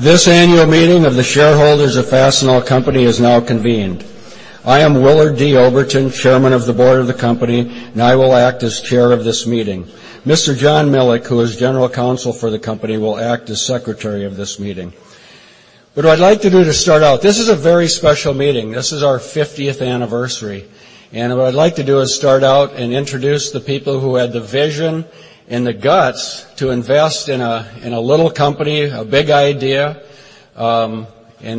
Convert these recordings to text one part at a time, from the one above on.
This annual meeting of the shareholders of Fastenal Company is now convened. I am Willard D. Oberton, chairman of the board of the company, and I will act as chair of this meeting. Mr. John L. Milek, who is General Counsel for the company, will act as secretary of this meeting. What I'd like to do to start out, this is a very special meeting. This is our 50th anniversary. What I'd like to do is start out and introduce the people who had the vision and the guts to invest in a little company, a big idea, and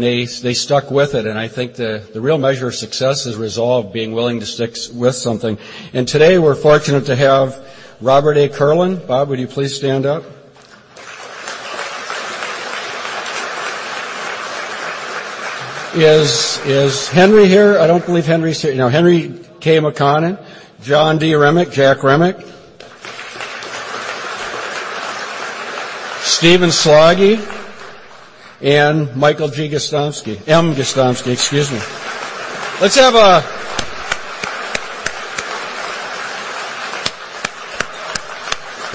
they stuck with it. I think the real measure of success is resolve, being willing to stick with something. Today, we're fortunate to have Robert A. Kierlin. Bob, would you please stand up? Is Henry here? I don't believe Henry's here. No, Henry K. McConnon, John D. Remick, Jack Remick. Stephen M. Slaggie, and Michael M. Gostomski. M. Gostomski, excuse me.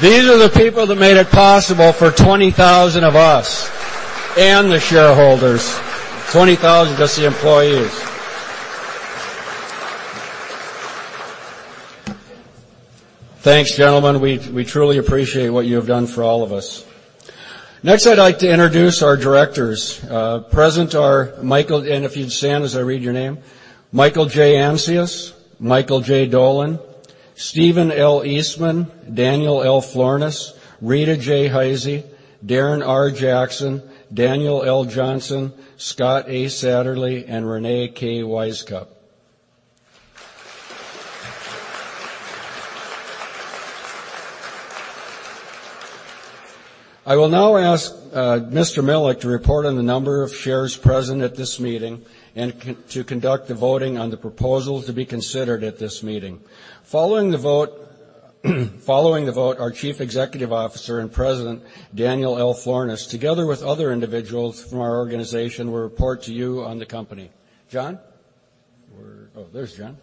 These are the people that made it possible for 20,000 of us and the shareholders. 20,000, that's the employees. Thanks, gentlemen. We truly appreciate what you have done for all of us. Next, I'd like to introduce our directors. Present are Michael, and if you'd stand as I read your name. Michael J. Ancius, Michael J. Dolan, Stephen L. Eastman, Daniel L. Florness, Rita J. Heise, Darren R. Jackson, Daniel L. Johnson, Scott A. Satterlee, and Reyne K. Wisecup. I will now ask Mr. Milek to report on the number of shares present at this meeting and to conduct the voting on the proposals to be considered at this meeting. Following the vote, our Chief Executive Officer and President, Daniel L. Florness, together with other individuals from our organization, will report to you on the company. John? Where? Oh, there's John.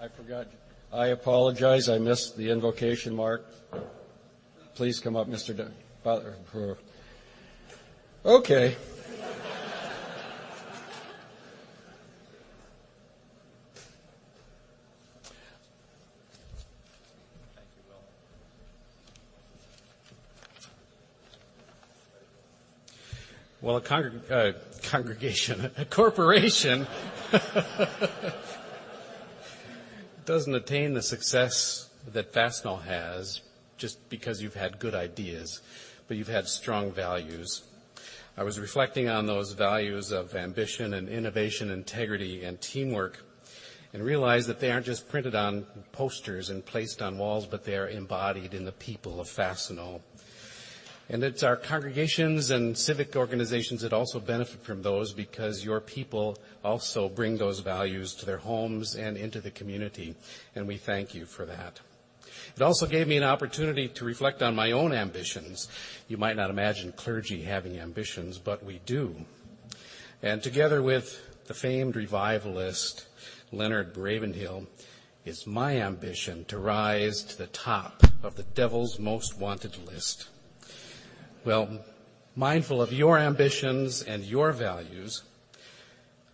I forgot. I apologize. I missed the invocation mark. Please come up, Father. Okay. Thank you, Will. A corporation doesn't attain the success that Fastenal has just because you've had good ideas, but you've had strong values. I was reflecting on those values of ambition and innovation, integrity and teamwork, and realized that they aren't just printed on posters and placed on walls, but they are embodied in the people of Fastenal. It's our congregations and civic organizations that also benefit from those because your people also bring those values to their homes and into the community, and we thank you for that. It also gave me an opportunity to reflect on my own ambitions. You might not imagine clergy having ambitions, but we do. Together with the famed revivalist, Leonard Ravenhill, it's my ambition to rise to the top of the devil's most wanted list. Mindful of your ambitions and your values,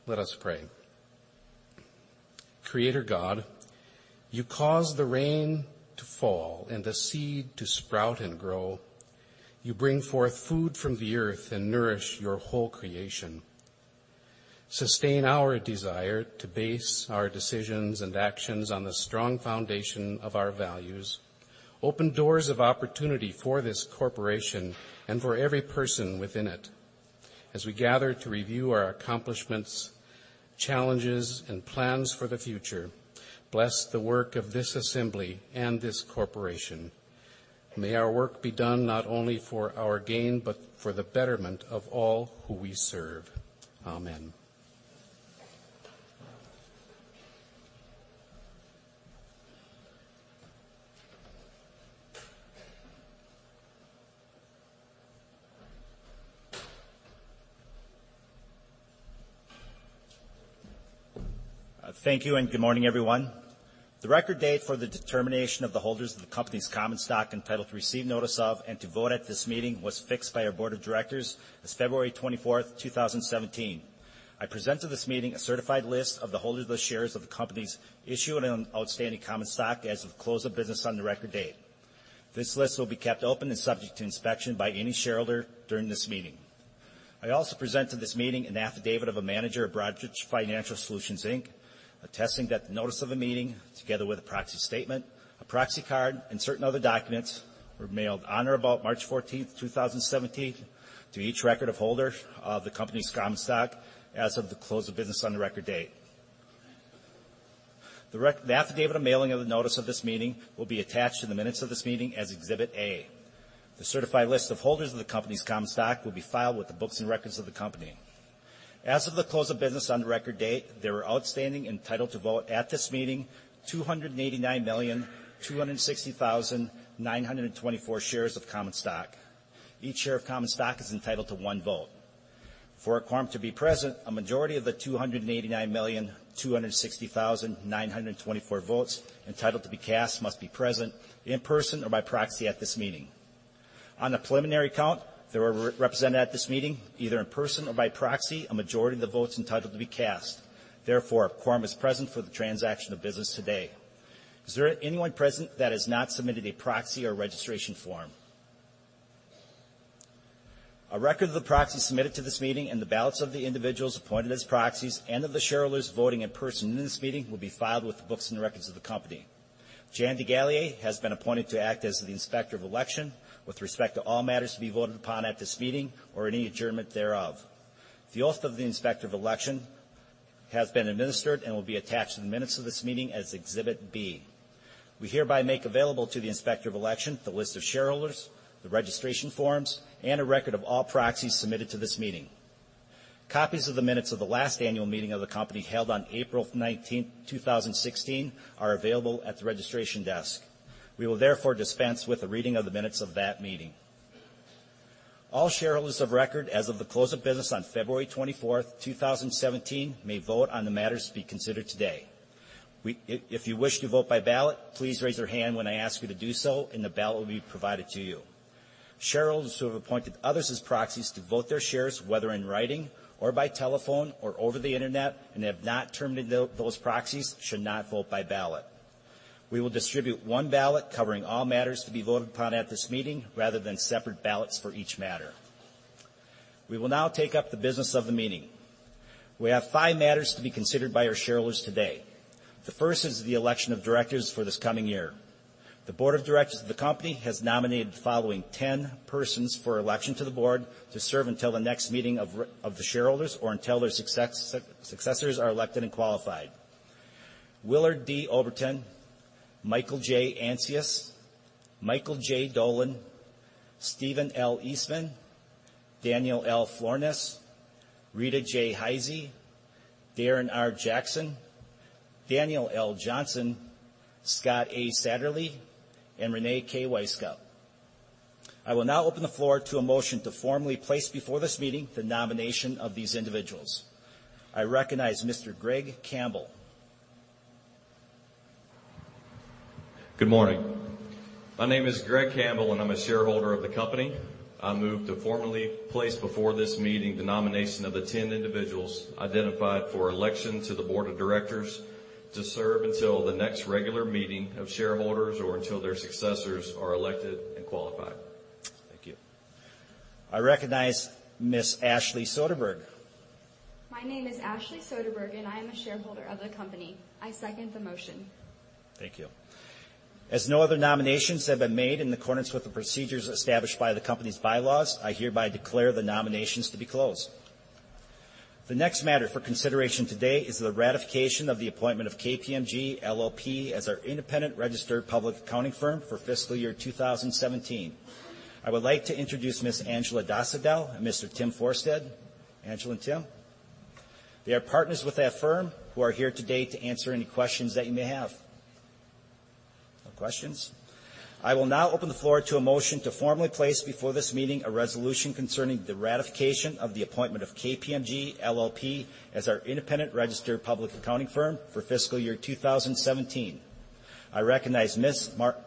let us pray. Creator God, you cause the rain to fall and the seed to sprout and grow. You bring forth food from the earth and nourish your whole creation. Sustain our desire to base our decisions and actions on the strong foundation of our values. Open doors of opportunity for this corporation and for every person within it. As we gather to review our accomplishments, challenges, and plans for the future, bless the work of this assembly and this corporation. May our work be done not only for our gain but for the betterment of all who we serve. Amen. Thank you, good morning, everyone. The record date for the determination of the holders of the company's common stock entitled to receive notice of and to vote at this meeting was fixed by our board of directors as February 24th, 2017. I present to this meeting a certified list of the holders of the shares of the company's issued and outstanding common stock as of close of business on the record date. This list will be kept open and subject to inspection by any shareholder during this meeting. I also present to this meeting an affidavit of a manager of Broadridge Financial Solutions, Inc., attesting that the notice of a meeting, together with a proxy statement, a proxy card, and certain other documents, were mailed on or about March 14th, 2017, to each record of holder of the company's common stock as of the close of business on the record date. The affidavit of mailing of the notice of this meeting will be attached in the minutes of this meeting as Exhibit A. The certified list of holders of the company's common stock will be filed with the books and records of the company. As of the close of business on the record date, there were outstanding, entitled to vote at this meeting, 289,260,924 shares of common stock. Each share of common stock is entitled to one vote. For a quorum to be present, a majority of the 289,260,924 votes entitled to be cast must be present in person or by proxy at this meeting. On a preliminary count, there were represented at this meeting, either in person or by proxy, a majority of the votes entitled to be cast. Therefore, a quorum is present for the transaction of business today. Is there anyone present that has not submitted a proxy or registration form? A record of the proxies submitted to this meeting and the ballots of the individuals appointed as proxies and of the shareholders voting in person in this meeting will be filed with the books and records of the company. Jan DeGalier has been appointed to act as the Inspector of Election with respect to all matters to be voted upon at this meeting or any adjournment thereof. The oath of the Inspector of Election has been administered and will be attached to the minutes of this meeting as Exhibit B. We hereby make available to the Inspector of Election the list of shareholders, the registration forms, and a record of all proxies submitted to this meeting. Copies of the minutes of the last annual meeting of the company held on April 19, 2016, are available at the registration desk. We will therefore dispense with the reading of the minutes of that meeting. All shareholders of record as of the close of business on February 24, 2017, may vote on the matters to be considered today. If you wish to vote by ballot, please raise your hand when I ask you to do so, and the ballot will be provided to you. Shareholders who have appointed others as proxies to vote their shares, whether in writing or by telephone or over the internet, and have not terminated those proxies should not vote by ballot. We will distribute one ballot covering all matters to be voted upon at this meeting, rather than separate ballots for each matter. We will now take up the business of the meeting. We have five matters to be considered by our shareholders today. The first is the election of directors for this coming year. The Board of Directors of the company has nominated the following 10 persons for election to the board to serve until the next meeting of the shareholders, or until their successors are elected and qualified: Willard D. Oberton, Michael J. Ancius, Michael J. Dolan, Stephen L. Eastman, Daniel L. Florness, Rita J. Heise, Darren R. Jackson, Daniel L. Johnson, Scott A. Satterlee, and Reyne K. Wisecup. I will now open the floor to a motion to formally place before this meeting the nomination of these individuals. I recognize Mr. Greg Campbell. Good morning. My name is Greg Campbell, and I'm a shareholder of the company. I move to formally place before this meeting the nomination of the 10 individuals identified for election to the board of directors to serve until the next regular meeting of shareholders or until their successors are elected and qualified. Thank you. I recognize Ms. Ashley Soderberg. My name is Ashley Soderberg, I am a shareholder of the company. I second the motion. Thank you. As no other nominations have been made in accordance with the procedures established by the company's bylaws, I hereby declare the nominations to be closed. The next matter for consideration today is the ratification of the appointment of KPMG LLP as our independent registered public accounting firm for fiscal year 2017. I would like to introduce Ms. Angela Dosdall and Mr. Tim Forste. Angela and Tim. They are partners with that firm who are here today to answer any questions that you may have. No questions? I will now open the floor to a motion to formally place before this meeting a resolution concerning the ratification of the appointment of KPMG LLP as our independent registered public accounting firm for fiscal year 2017. I recognize Mark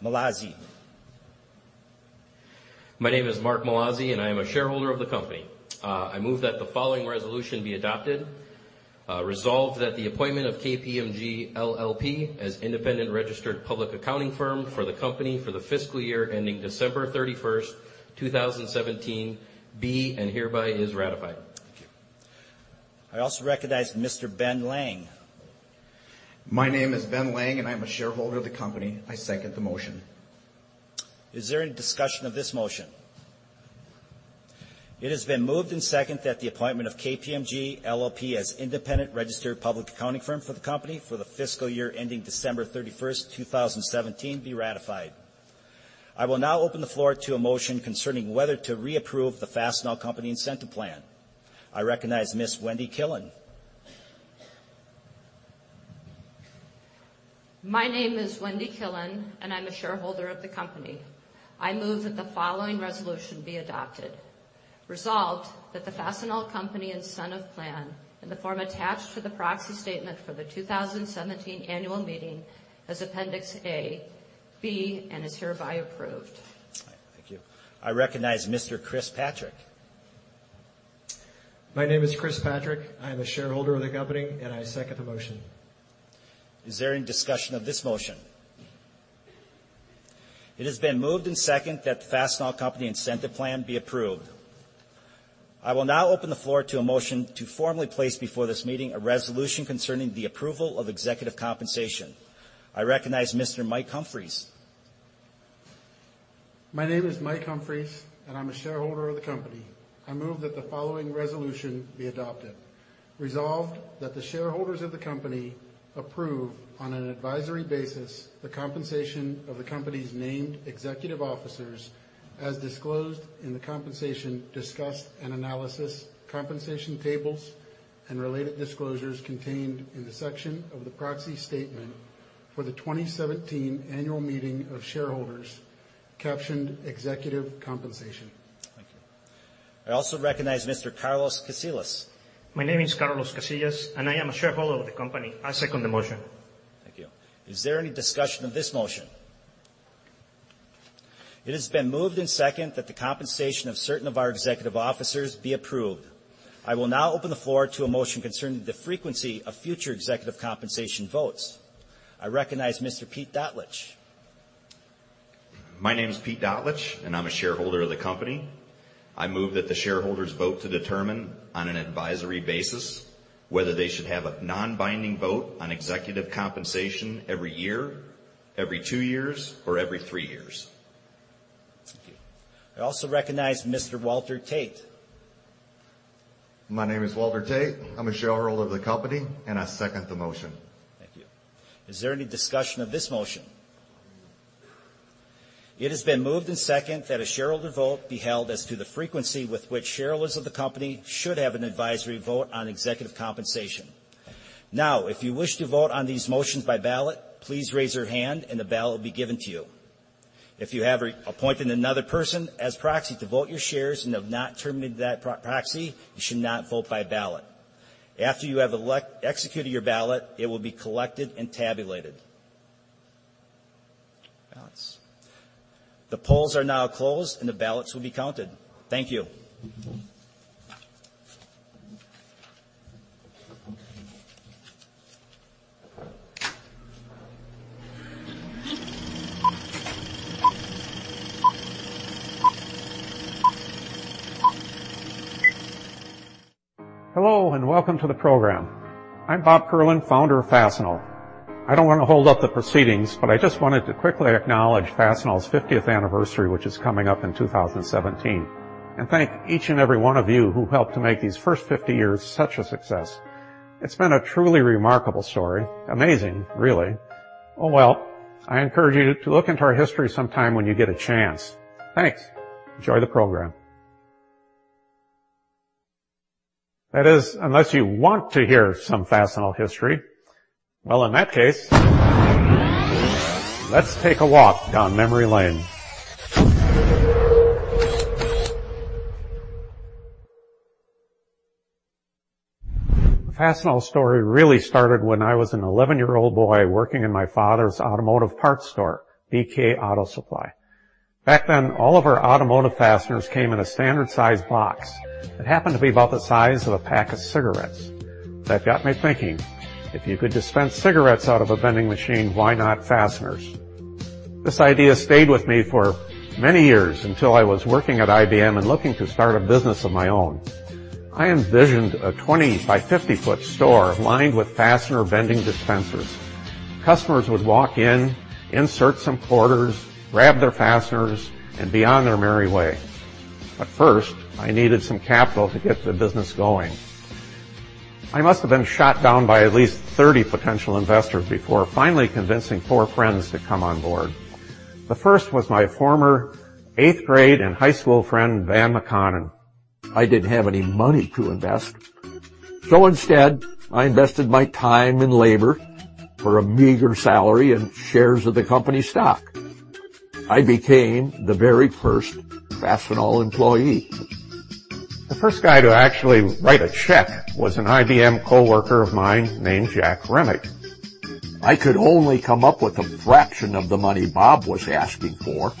Malecek. My name is Mark Malecek, I am a shareholder of the company. I move that the following resolution be adopted. Resolved that the appointment of KPMG LLP as independent registered public accounting firm for the company for the fiscal year ending December 31st, 2017, be and hereby is ratified. Thank you. I also recognize Mr. Ben Lang. My name is Ben Lang, and I am a shareholder of the company. I second the motion. Is there any discussion of this motion? It has been moved and seconded that the appointment of KPMG LLP as independent registered public accounting firm for the company for the fiscal year ending December 31st, 2017, be ratified. I will now open the floor to a motion concerning whether to reapprove the Fastenal Company Incentive Plan. I recognize Ms. Wendy Killen. My name is Wendy Killen, and I'm a shareholder of the company. I move that the following resolution be adopted. Resolved that the Fastenal Company Incentive Plan, in the form attached to the proxy statement for the 2017 annual meeting as Appendix A, be and is hereby approved. All right. Thank you. I recognize Mr. Patrick Holahan. My name is Patrick Holahan. I am a shareholder of the company, and I second the motion. Is there any discussion of this motion? It has been moved and seconded that the Fastenal Company Incentive Plan be approved. I will now open the floor to a motion to formally place before this meeting a resolution concerning the approval of executive compensation. I recognize Mr. Mike Humphries. My name is Mike Humphries, and I'm a shareholder of the company. I move that the following resolution be adopted. Resolved that the shareholders of the company approve, on an advisory basis, the compensation of the company's named executive officers as disclosed in the Compensation Discussion and Analysis compensation tables and related disclosures contained in the section of the proxy statement for the 2017 annual meeting of shareholders captioned Executive Compensation. Thank you. I also recognize Mr. Carlos Casillas. My name is Carlos Casillas, and I am a shareholder of the company. I second the motion. Thank you. Is there any discussion of this motion? It has been moved and seconded that the compensation of certain of our executive officers be approved. I will now open the floor to a motion concerning the frequency of future executive compensation votes. I recognize Mr. Pete Dotlitch. My name is Pete Dotlitch and I'm a shareholder of the company. I move that the shareholders vote to determine, on an advisory basis, whether they should have a non-binding vote on executive compensation every year, every two years, or every three years. Thank you. I also recognize Mr. Walter Tate. My name is Walter Tate, I'm a shareholder of the company. I second the motion. Thank you. Is there any discussion of this motion? It has been moved and second that a shareholder vote be held as to the frequency with which shareholders of the company should have an advisory vote on executive compensation. If you wish to vote on these motions by ballot, please raise your hand and the ballot will be given to you. If you have appointed another person as proxy to vote your shares and have not terminated that proxy, you should not vote by ballot. After you have executed your ballot, it will be collected and tabulated. The polls are now closed and the ballots will be counted. Thank you. Hello, welcome to the program. I'm Robert A. Kierlin, founder of Fastenal. I don't want to hold up the proceedings. I just wanted to quickly acknowledge Fastenal's 50th anniversary, which is coming up in 2017, and thank each and every one of you who helped to make these first 50 years such a success. It's been a truly remarkable story. Amazing, really. Well, I encourage you to look into our history sometime when you get a chance. Thanks. Enjoy the program. That is, unless you want to hear some Fastenal history. Well, in that case, let's take a walk down memory lane. The Fastenal story really started when I was an 11-year-old boy working in my father's automotive parts store, BK Auto Supply. Back then, all of our automotive fasteners came in a standard-sized box, that happened to be about the size of a pack of cigarettes. That got me thinking, "If you could dispense cigarettes out of a vending machine, why not fasteners?" This idea stayed with me for many years, until I was working at IBM and looking to start a business of my own. I envisioned a 20 by 50-foot store lined with fastener vending dispensers. Customers would walk in, insert some quarters, grab their fasteners, and be on their merry way. First, I needed some capital to get the business going. I must have been shot down by at least 30 potential investors before finally convincing four friends to come on board. The first was my former eighth grade and high school friend, Van McConnon. I didn't have any money to invest. Instead, I invested my time and labor for a meager salary and shares of the company stock. I became the very first Fastenal employee. The first guy to actually write a check was an IBM coworker of mine named Jack Remick. I could only come up with a fraction of the money Bob was asking for,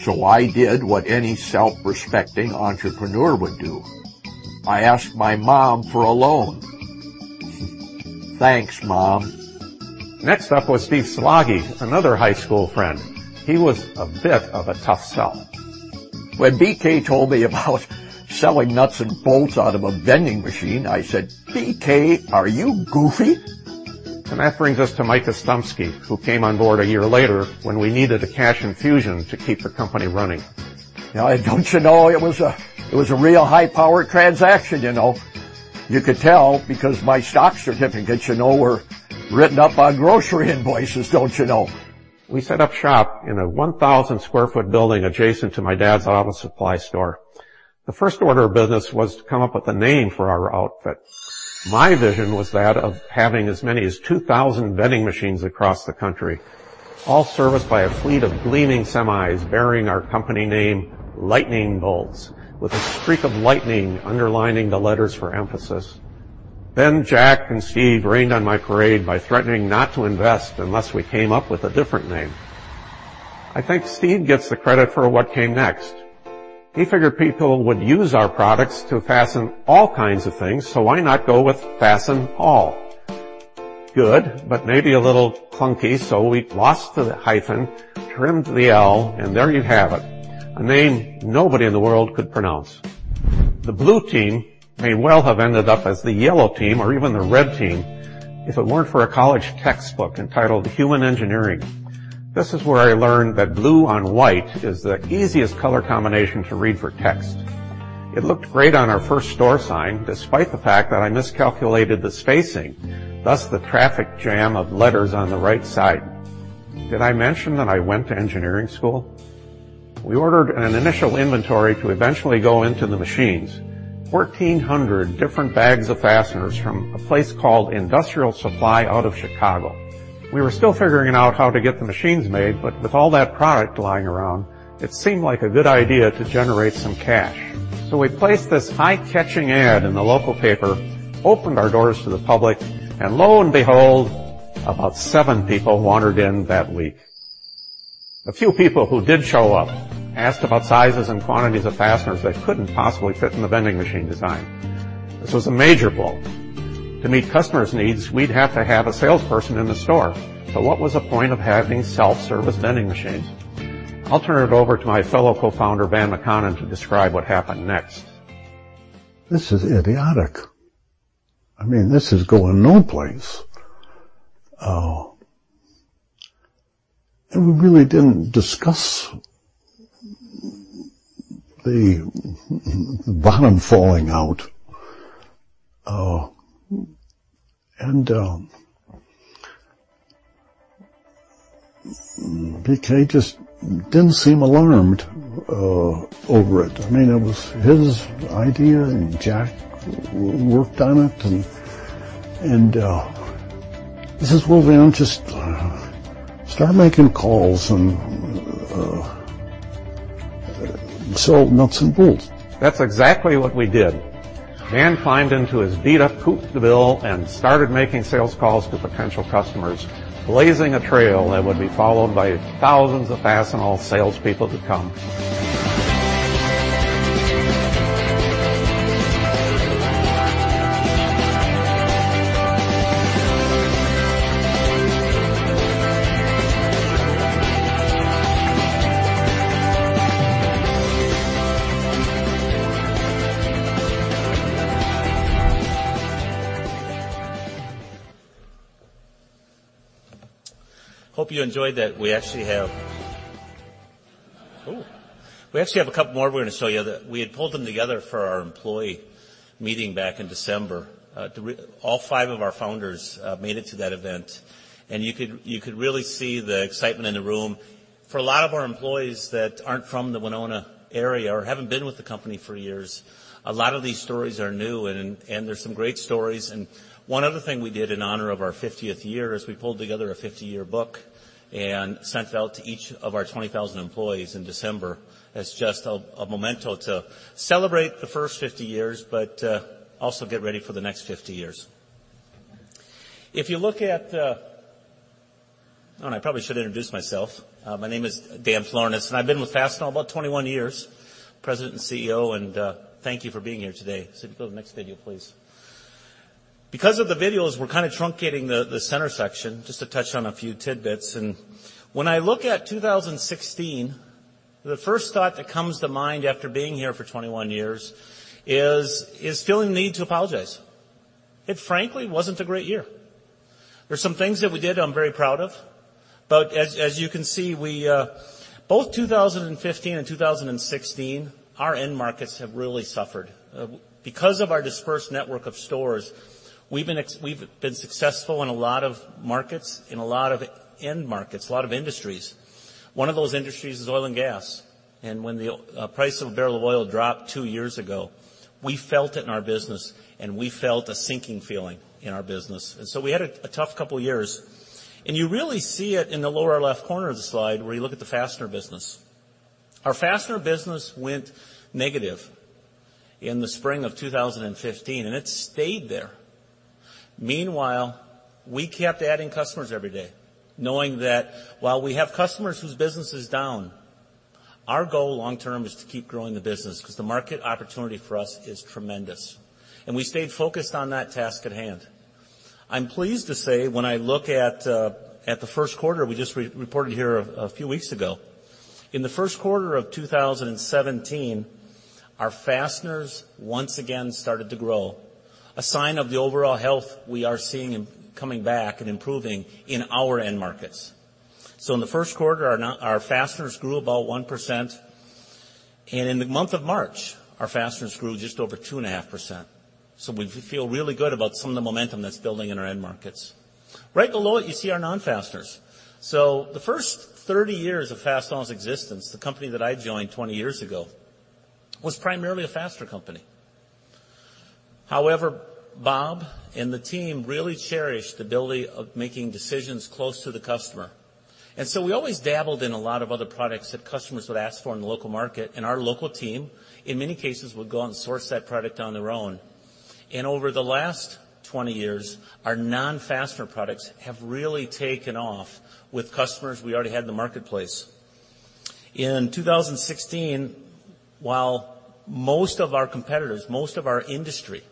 so I did what any self-respecting entrepreneur would do. I asked my mom for a loan. Thanks, Mom. Next up was Steve Slaggie, another high school friend. He was a bit of a tough sell. When BK told me about selling nuts and bolts out of a vending machine, I said, "BK, are you goofy? That brings us to Mike Gostomski, who came on board a year later when we needed a cash infusion to keep the company running. Now, don't you know, it was a real high-powered transaction, you know. You could tell because my stock certificates, you know, were written up on grocery invoices, don't you know. We set up shop in a 1,000 square foot building adjacent to my dad's auto supply store. The first order of business was to come up with a name for our outfit. My vision was that of having as many as 2,000 vending machines across the country, all serviced by a fleet of gleaming semis bearing our company name, Lightning Bolts, with a streak of lightning underlining the letters for emphasis. Ben, Jack, and Steve rained on my parade by threatening not to invest unless we came up with a different name. I think Steve gets the credit for what came next. He figured people would use our products to fasten all kinds of things, so why not go with Fasten All? Good, but maybe a little clunky, so we lost the hyphen, trimmed the L, and there you have it, a name nobody in the world could pronounce. The blue team may well have ended up as the yellow team, or even the red team, if it weren't for a college textbook entitled Human Engineering. This is where I learned that blue on white is the easiest color combination to read for text. It looked great on our first store sign, despite the fact that I miscalculated the spacing, thus the traffic jam of letters on the right side. Did I mention that I went to engineering school? We ordered an initial inventory to eventually go into the machines. 1,400 different bags of fasteners from a place called Industrial Supply out of Chicago. We were still figuring out how to get the machines made, but with all that product lying around, it seemed like a good idea to generate some cash. We placed this eye-catching ad in the local paper, opened our doors to the public, Lo and behold, about seven people wandered in that week. The few people who did show up asked about sizes and quantities of fasteners that couldn't possibly fit in the vending machine design. This was a major blow. To meet customers' needs, we'd have to have a salesperson in the store. What was the point of having self-service vending machines? I'll turn it over to my fellow co-founder, Van McConnon, to describe what happened next. This is idiotic. This is going no place. We really didn't discuss the bottom falling out. B.K. just didn't seem alarmed over it. It was his idea, and Jack worked on it. He says, "Well, Van, just start making calls and sell nuts and bolts. That's exactly what we did. Van climbed into his beat-up Coupe de Ville and started making sales calls to potential customers, blazing a trail that would be followed by thousands of Fastenal salespeople to come. Hope you enjoyed that. We actually have a couple more we're going to show you that we had pulled them together for our employee meeting back in December. All five of our founders made it to that event, and you could really see the excitement in the room. For a lot of our employees that aren't from the Winona area or haven't been with the company for years, a lot of these stories are new, and there's some great stories. One other thing we did in honor of our 50th year is we pulled together a 50-year book and sent it out to each of our 20,000 employees in December as just a memento to celebrate the first 50 years, but also get ready for the next 50 years. If you look at the I probably should introduce myself. My name is Daniel L. Florness, and I've been with Fastenal about 21 years, President and Chief Executive Officer, and thank you for being here today. If you go to the next video, please. Because of the videos, we're truncating the center section just to touch on a few tidbits. When I look at 2016, the first thought that comes to mind after being here for 21 years is feeling the need to apologize. It frankly wasn't a great year. There's some things that we did I'm very proud of, as you can see, both 2015 and 2016, our end markets have really suffered. Because of our dispersed network of stores, we've been successful in a lot of markets, in a lot of end markets, a lot of industries. One of those industries is oil and gas. When the price of a barrel of oil dropped two years ago, we felt it in our business, and we felt a sinking feeling in our business. We had a tough couple of years. You really see it in the lower left corner of the slide where you look at the fastener business. Our fastener business went negative in the spring of 2015, and it stayed there. Meanwhile, we kept adding customers every day, knowing that while we have customers whose business is down, our goal long term is to keep growing the business because the market opportunity for us is tremendous. We stayed focused on that task at hand. I'm pleased to say, when I look at the first quarter we just reported here a few weeks ago. In the first quarter of 2017, our fasteners once again started to grow, a sign of the overall health we are seeing coming back and improving in our end markets. In the first quarter, our fasteners grew about 1%, and in the month of March, our fasteners grew just over 2.5%. We feel really good about some of the momentum that's building in our end markets. Right below it, you see our non-fasteners. The first 30 years of Fastenal's existence, the company that I joined 20 years ago, was primarily a fastener company. However, Bob and the team really cherished the ability of making decisions close to the customer. We always dabbled in a lot of other products that customers would ask for in the local market. Our local team, in many cases, would go out and source that product on their own. Over the last 20 years, our non-fastener products have really taken off with customers we already had in the marketplace. In 2016, while most of our competitors, most of our industry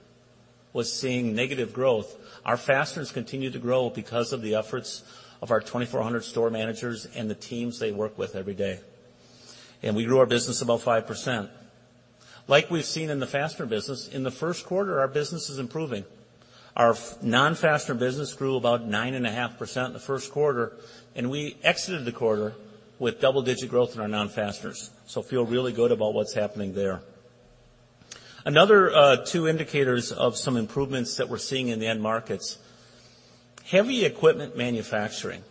was seeing negative growth, our fasteners continued to grow because of the efforts of our 2,400 store managers and the teams they work with every day. We grew our business about 5%. Like we've seen in the fastener business, in the first quarter, our business is improving. Our non-fastener business grew about 9.5% in the first quarter, and we exited the quarter with double-digit growth in our non-fasteners. Feel really good about what's happening there. Another two indicators of some improvements that we're seeing in the end markets. Heavy equipment manufacturing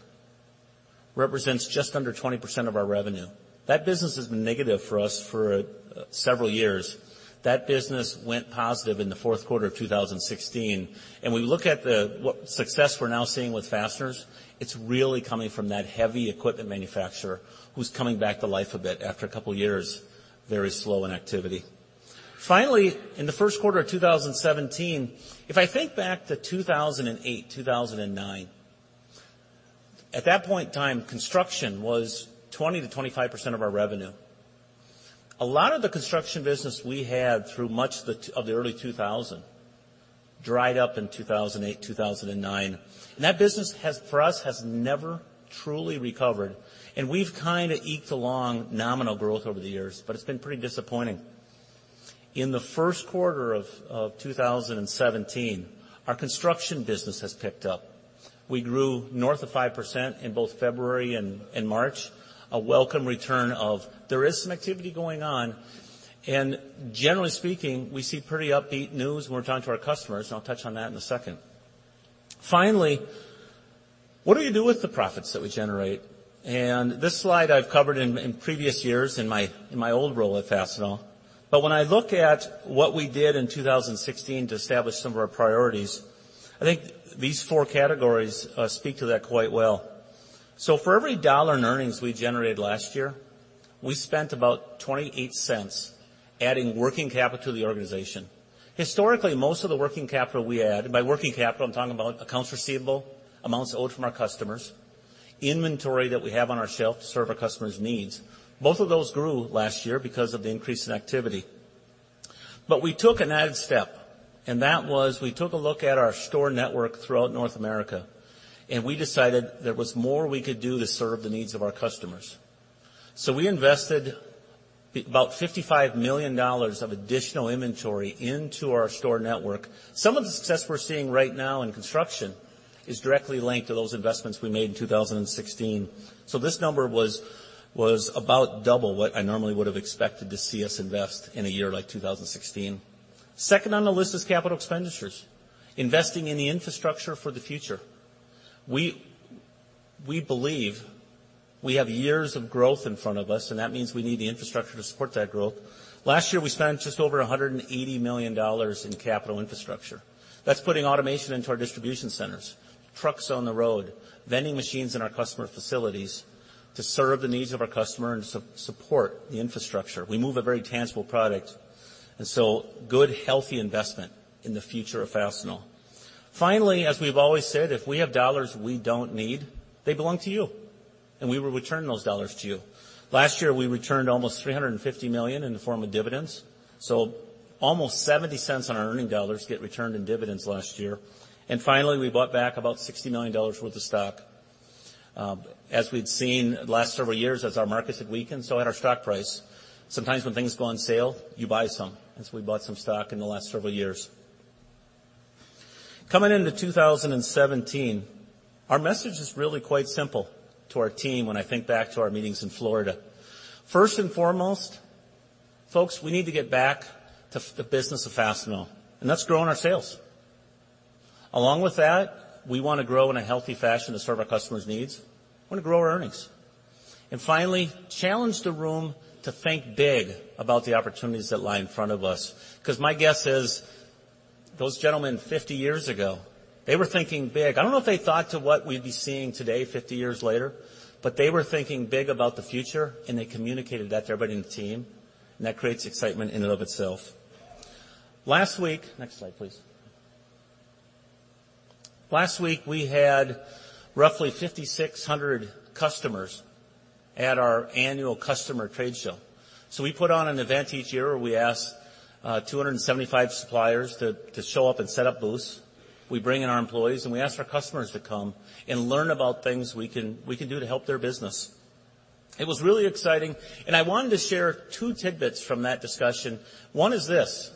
represents just under 20% of our revenue. That business has been negative for us for several years. That business went positive in the fourth quarter of 2016. We look at what success we're now seeing with fasteners, it's really coming from that heavy equipment manufacturer who's coming back to life a bit after a couple of years, very slow in activity. Finally, in the first quarter of 2017, if I think back to 2008, 2009, at that point in time, construction was 20%-25% of our revenue. A lot of the construction business we had through much of the early 2000 dried up in 2008, 2009. That business for us has never truly recovered, and we've kind of eked along nominal growth over the years, but it's been pretty disappointing. In the first quarter of 2017, our construction business has picked up. We grew north of 5% in both February and March, a welcome return of there is some activity going on. Generally speaking, we see pretty upbeat news when we're talking to our customers, and I'll touch on that in a second. Finally, what do we do with the profits that we generate? This slide I've covered in previous years in my old role at Fastenal. When I look at what we did in 2016 to establish some of our priorities, I think these four categories speak to that quite well. For every dollar in earnings we generated last year, we spent about $0.28 adding working capital to the organization. Historically, most of the working capital we add, and by working capital, I'm talking about accounts receivable, amounts owed from our customers, inventory that we have on our shelf to serve our customers' needs. Both of those grew last year because of the increase in activity. We took an added step, we took a look at our store network throughout North America, we decided there was more we could do to serve the needs of our customers. We invested about $55 million of additional inventory into our store network. Some of the success we're seeing right now in construction is directly linked to those investments we made in 2016. This number was about double what I normally would've expected to see us invest in a year like 2016. Second on the list is capital expenditures, investing in the infrastructure for the future. We believe we have years of growth in front of us, that means we need the infrastructure to support that growth. Last year, we spent just over $180 million in capital infrastructure. That's putting automation into our distribution centers, trucks on the road, vending machines in our customer facilities to serve the needs of our customer and support the infrastructure. We move a very tangible product, good, healthy investment in the future of Fastenal. Finally, as we've always said, if we have dollars we don't need, they belong to you, we will return those dollars to you. Last year, we returned almost $350 million in the form of dividends, almost $0.70 on our earning dollars get returned in dividends last year. Finally, we bought back about $60 million worth of stock. As we'd seen last several years as our markets had weakened, so had our stock price. Sometimes when things go on sale, you buy some, we bought some stock in the last several years. Coming into 2017, our message is really quite simple to our team when I think back to our meetings in Florida. First and foremost, folks, we need to get back to the business of Fastenal, that's growing our sales. Along with that, we want to grow in a healthy fashion to serve our customers' needs. We want to grow our earnings. Finally, challenge the room to think big about the opportunities that lie in front of us because my guess is those gentlemen 50 years ago, they were thinking big. I don't know if they thought to what we'd be seeing today, 50 years later, they were thinking big about the future, they communicated that to everybody in the team, that creates excitement in and of itself. Last week, next slide, please. Last week, we had roughly 5,600 customers at our annual customer trade show. We put on an event each year where we ask 275 suppliers to show up and set up booths. We bring in our employees, we ask our customers to come and learn about things we can do to help their business. It was really exciting, I wanted to share two tidbits from that discussion. One is this.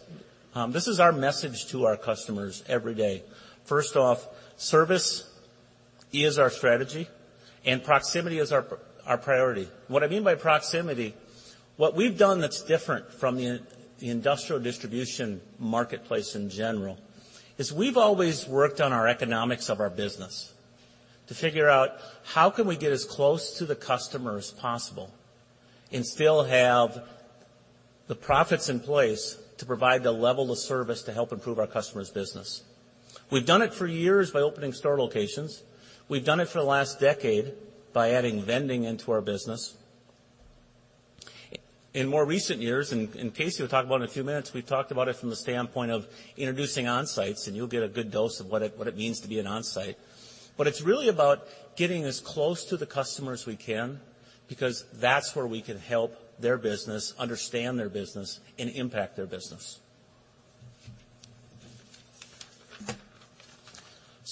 This is our message to our customers every day. First off, service is our strategy, proximity is our priority. What I mean by proximity, what we've done that's different from the industrial distribution marketplace in general, is we've always worked on our economics of our business to figure out how can we get as close to the customer as possible and still have the profits in place to provide the level of service to help improve our customer's business. We've done it for years by opening store locations. We've done it for the last decade by adding vending into our business. In more recent years, Casey will talk about in a few minutes, we've talked about it from the standpoint of introducing Onsites, and you'll get a good dose of what it means to be an Onsite. It's really about getting as close to the customer as we can because that's where we can help their business, understand their business, and impact their business.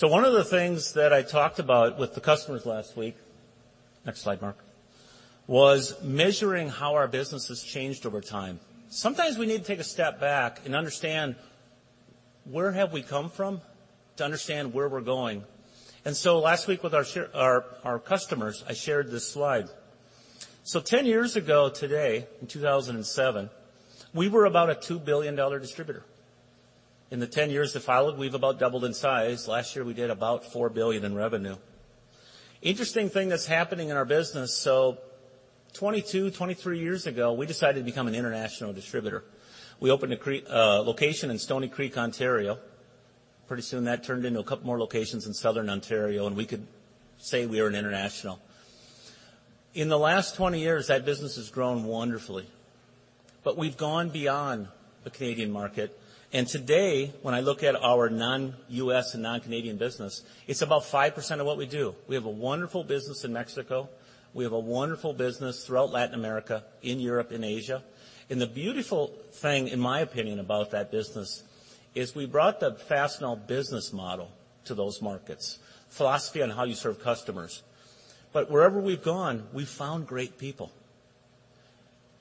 One of the things that I talked about with the customers last week, next slide, Mark, was measuring how our business has changed over time. Sometimes we need to take a step back and understand where have we come from to understand where we're going. Last week with our customers, I shared this slide. 10 years ago today, in 2007, we were about a $2 billion distributor. In the 10 years that followed, we've about doubled in size. Last year, we did about $4 billion in revenue. Interesting thing that's happening in our business, 22, 23 years ago, we decided to become an international distributor. We opened a location in Stoney Creek, Ontario. Pretty soon, that turned into a couple more locations in Southern Ontario, and we could say we were an international. In the last 20 years, that business has grown wonderfully, but we've gone beyond the Canadian market, and today, when I look at our non-U.S. and non-Canadian business, it's about 5% of what we do. We have a wonderful business in Mexico. We have a wonderful business throughout Latin America, in Europe and Asia. The beautiful thing, in my opinion, about that business is we brought the Fastenal business model to those markets, philosophy on how you serve customers. Wherever we've gone, we've found great people.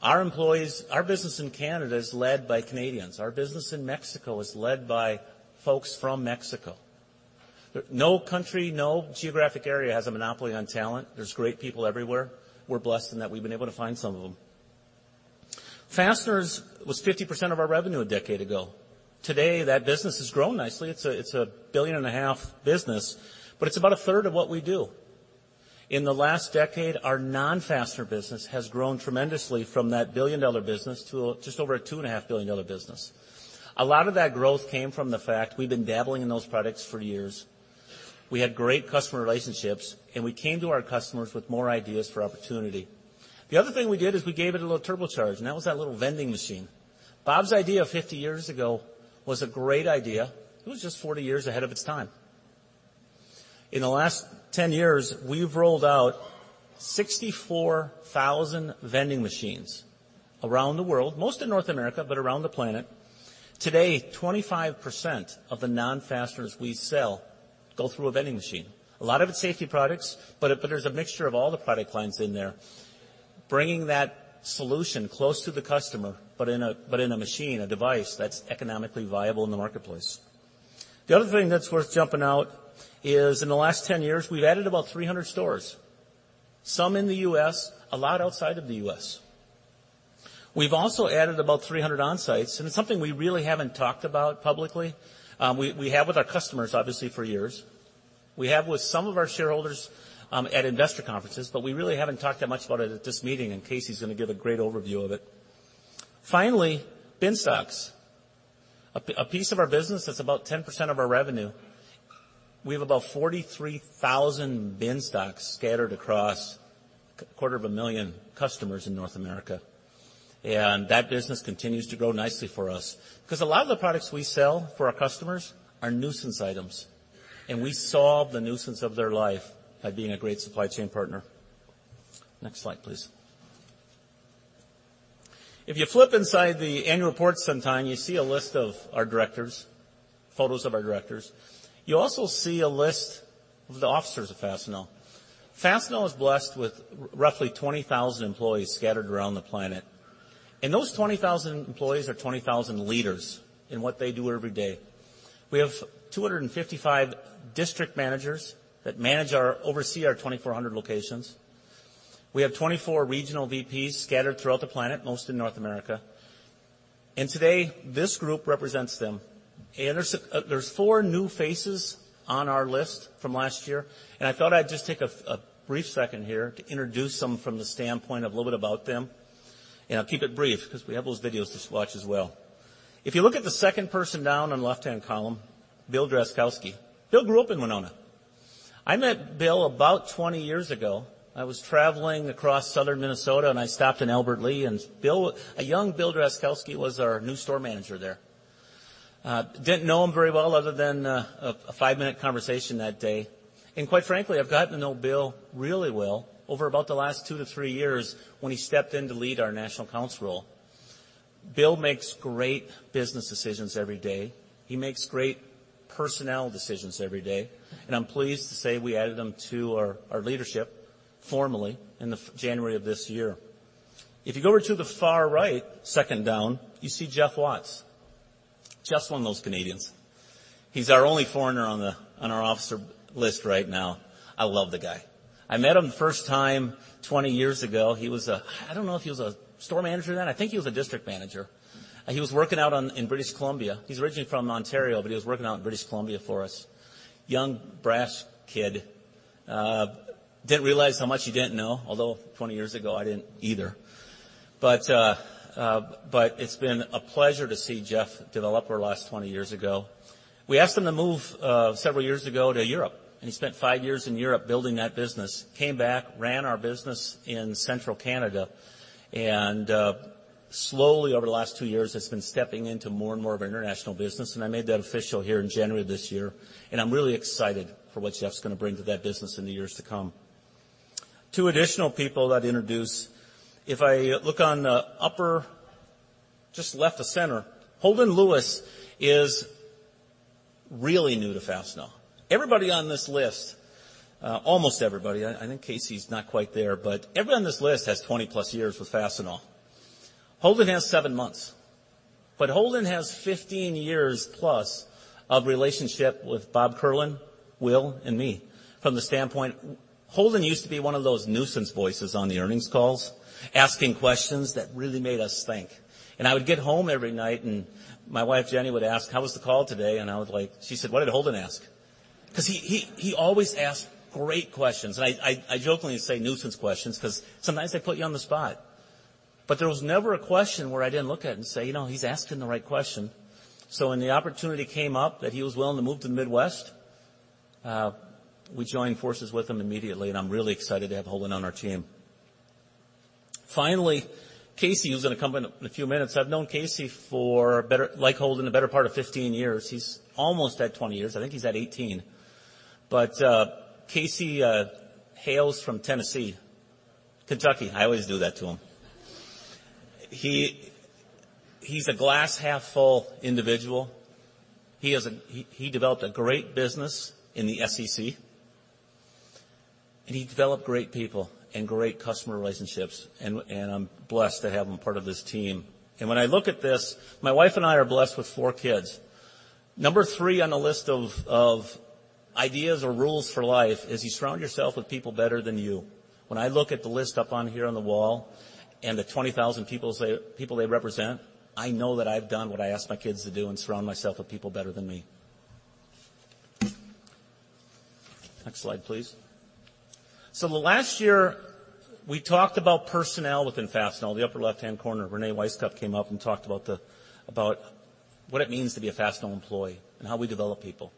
Our business in Canada is led by Canadians. Our business in Mexico is led by folks from Mexico. No country, no geographic area has a monopoly on talent. There's great people everywhere. We're blessed in that we've been able to find some of them. Fasteners was 50% of our revenue a decade ago. Today, that business has grown nicely. It's a billion and a half business, but it's about a third of what we do. In the last decade, our non-fastener business has grown tremendously from that billion-dollar business to just over a $2.5 billion business. A lot of that growth came from the fact we've been dabbling in those products for years. We had great customer relationships, we came to our customers with more ideas for opportunity. The other thing we did is we gave it a little turbocharge, and that was that little vending machine. Bob's idea 50 years ago was a great idea. It was just 40 years ahead of its time. In the last 10 years, we've rolled out 64,000 vending machines around the world, most in North America, but around the planet. Today, 25% of the non-fasteners we sell go through a vending machine. A lot of it's safety products, but there's a mixture of all the product lines in there, bringing that solution close to the customer, but in a machine, a device that's economically viable in the marketplace. The other thing that's worth jumping out is in the last 10 years, we've added about 300 stores, some in the U.S., a lot outside of the U.S. We've also added about 300 Onsite, and it's something we really haven't talked about publicly. We have with our customers, obviously, for years. We have with some of our shareholders, at investor conferences, but we really haven't talked that much about it at this meeting, and Casey's going to give a great overview of it. Finally, Bin Stocks, a piece of our business that's about 10% of our revenue. We have about 43,000 Bin Stocks scattered across a quarter of a million customers in North America, and that business continues to grow nicely for us because a lot of the products we sell for our customers are nuisance items, and we solve the nuisance of their life by being a great supply chain partner. Next slide, please. If you flip inside the annual report sometime, you see a list of our directors, photos of our directors. You also see a list of the officers of Fastenal. Fastenal is blessed with roughly 20,000 employees scattered around the planet, and those 20,000 employees are 20,000 leaders in what they do every day. We have 255 district managers that oversee our 2,400 locations. We have 24 regional VPs scattered throughout the planet, most in North America. Today, this group represents them. There's four new faces on our list from last year, and I thought I'd just take a brief second here to introduce some from the standpoint of a little bit about them, and I'll keep it brief because we have those videos to watch as well. If you look at the second person down on the left-hand column, Bill Drazkowski. Bill grew up in Winona. I met Bill about 20 years ago. I was traveling across southern Minnesota, and I stopped in Albert Lea, and a young Bill Drazkowski was our new store manager there. Didn't know him very well other than a five-minute conversation that day. Quite frankly, I've gotten to know Bill really well over about the last two to three years when he stepped in to lead our national accounts role. Bill makes great business decisions every day. He makes great personnel decisions every day, and I'm pleased to say we added him to our leadership formally in January of this year. If you go over to the far right, second down, you see Jeff Watts. Jeff's one of those Canadians. He's our only foreigner on our officer list right now. I love the guy. I met him the first time 20 years ago. I don't know if he was a store manager then. I think he was a district manager, and he was working out in British Columbia. He's originally from Ontario, but he was working out in British Columbia for us. Young, brash kid. Didn't realize how much he didn't know, although 20 years ago, I didn't either. It's been a pleasure to see Jeff develop over the last 20 years ago. We asked him to move several years ago to Europe. He spent five years in Europe building that business, came back, ran our business in central Canada. Slowly over the last two years has been stepping into more and more of international business. I made that official here in January of this year. I'm really excited for what Jeff's going to bring to that business in the years to come. Two additional people I'd introduce. If I look on the upper, just left of center, Holden Lewis is really new to Fastenal. Everybody on this list, almost everybody, I think Casey's not quite there, but everyone on this list has 20-plus years with Fastenal. Holden has seven months. Holden has 15 years plus of relationship with Bob Kierlin, Will, and me. From the standpoint, Holden used to be one of those nuisance voices on the earnings calls, asking questions that really made us think. I would get home every night, and my wife Jenny would ask, "How was the call today?" She said, "What did Holden ask?" He always asked great questions. I jokingly say nuisance questions because sometimes they put you on the spot. There was never a question where I didn't look at it and say, "He's asking the right question." When the opportunity came up that he was willing to move to the Midwest, we joined forces with him immediately. I'm really excited to have Holden on our team. Finally, Casey, who's going to come in in a few minutes. I've known Casey for, like Holden, the better part of 15 years. He's almost at 20 years. I think he's at 18. Casey hails from Tennessee. Kentucky. I always do that to him. He's a glass half full individual. He developed a great business in the SEC. He developed great people and great customer relationships. I'm blessed to have him part of this team. When I look at this, my wife and I are blessed with four kids. Number three on the list of ideas or rules for life is you surround yourself with people better than you. When I look at the list up on here on the wall and the 20,000 people they represent, I know that I've done what I ask my kids to do and surround myself with people better than me. Next slide, please. The last year, we talked about personnel within Fastenal. The upper left-hand corner, Reyne K. Wisecup came up and talked about what it means to be a Fastenal employee and how we develop people.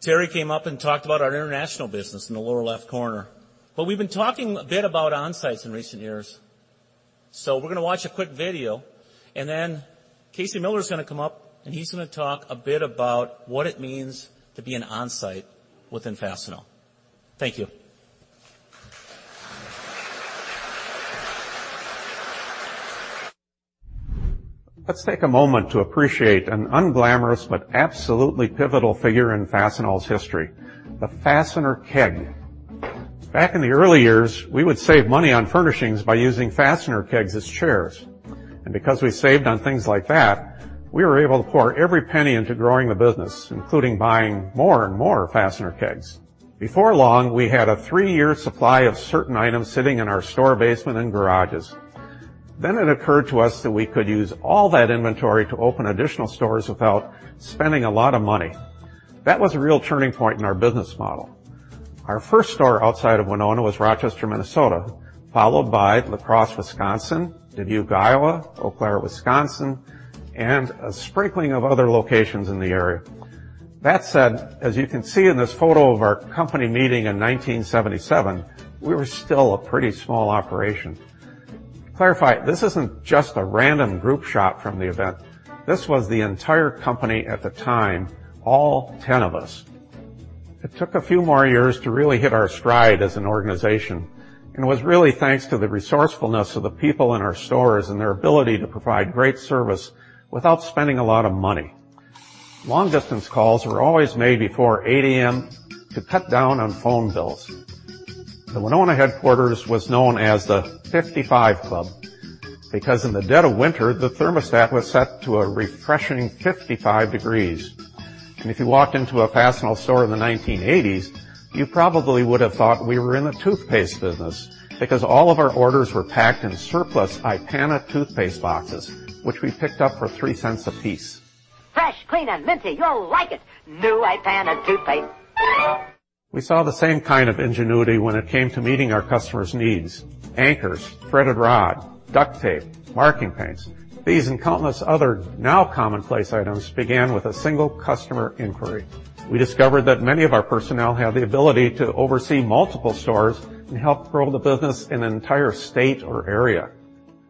Terry came up and talked about our international business in the lower-left corner. We've been talking a bit about Onsites in recent years. We're going to watch a quick video. Casey Miller's going to come up. He's going to talk a bit about what it means to be an Onsite within Fastenal. Thank you. Let's take a moment to appreciate an unglamorous but absolutely pivotal figure in Fastenal's history, the fastener keg. Back in the early years, we would save money on furnishings by using fastener kegs as chairs. Because we saved on things like that, we were able to pour every penny into growing the business, including buying more and more fastener kegs. Before long, we had a three-year supply of certain items sitting in our store basement and garages. It occurred to us that we could use all that inventory to open additional stores without spending a lot of money. That was a real turning point in our business model. Our first store outside of Winona was Rochester, Minnesota, followed by La Crosse, Wisconsin, Dubuque, Iowa, Eau Claire, Wisconsin, and a sprinkling of other locations in the area. That said, as you can see in this photo of our company meeting in 1977, we were still a pretty small operation. To clarify, this isn't just a random group shot from the event. This was the entire company at the time, all 10 of us. It was really thanks to the resourcefulness of the people in our stores and their ability to provide great service without spending a lot of money. Long distance calls were always made before 8:00 A.M. to cut down on phone bills. The Winona headquarters was known as the 55 Club because in the dead of winter, the thermostat was set to a refreshing 55 degrees. If you walked into a Fastenal store in the 1980s, you probably would have thought we were in the toothpaste business because all of our orders were packed in surplus Ipana toothpaste boxes, which we picked up for $0.03 apiece. Fresh, clean, and minty. You'll like it. New Ipana toothpaste. We saw the same kind of ingenuity when it came to meeting our customers' needs. Anchors, threaded rod, duct tape, marking paints. These and countless other now commonplace items began with a single customer inquiry. We discovered that many of our personnel had the ability to oversee multiple stores and help grow the business in an entire state or area.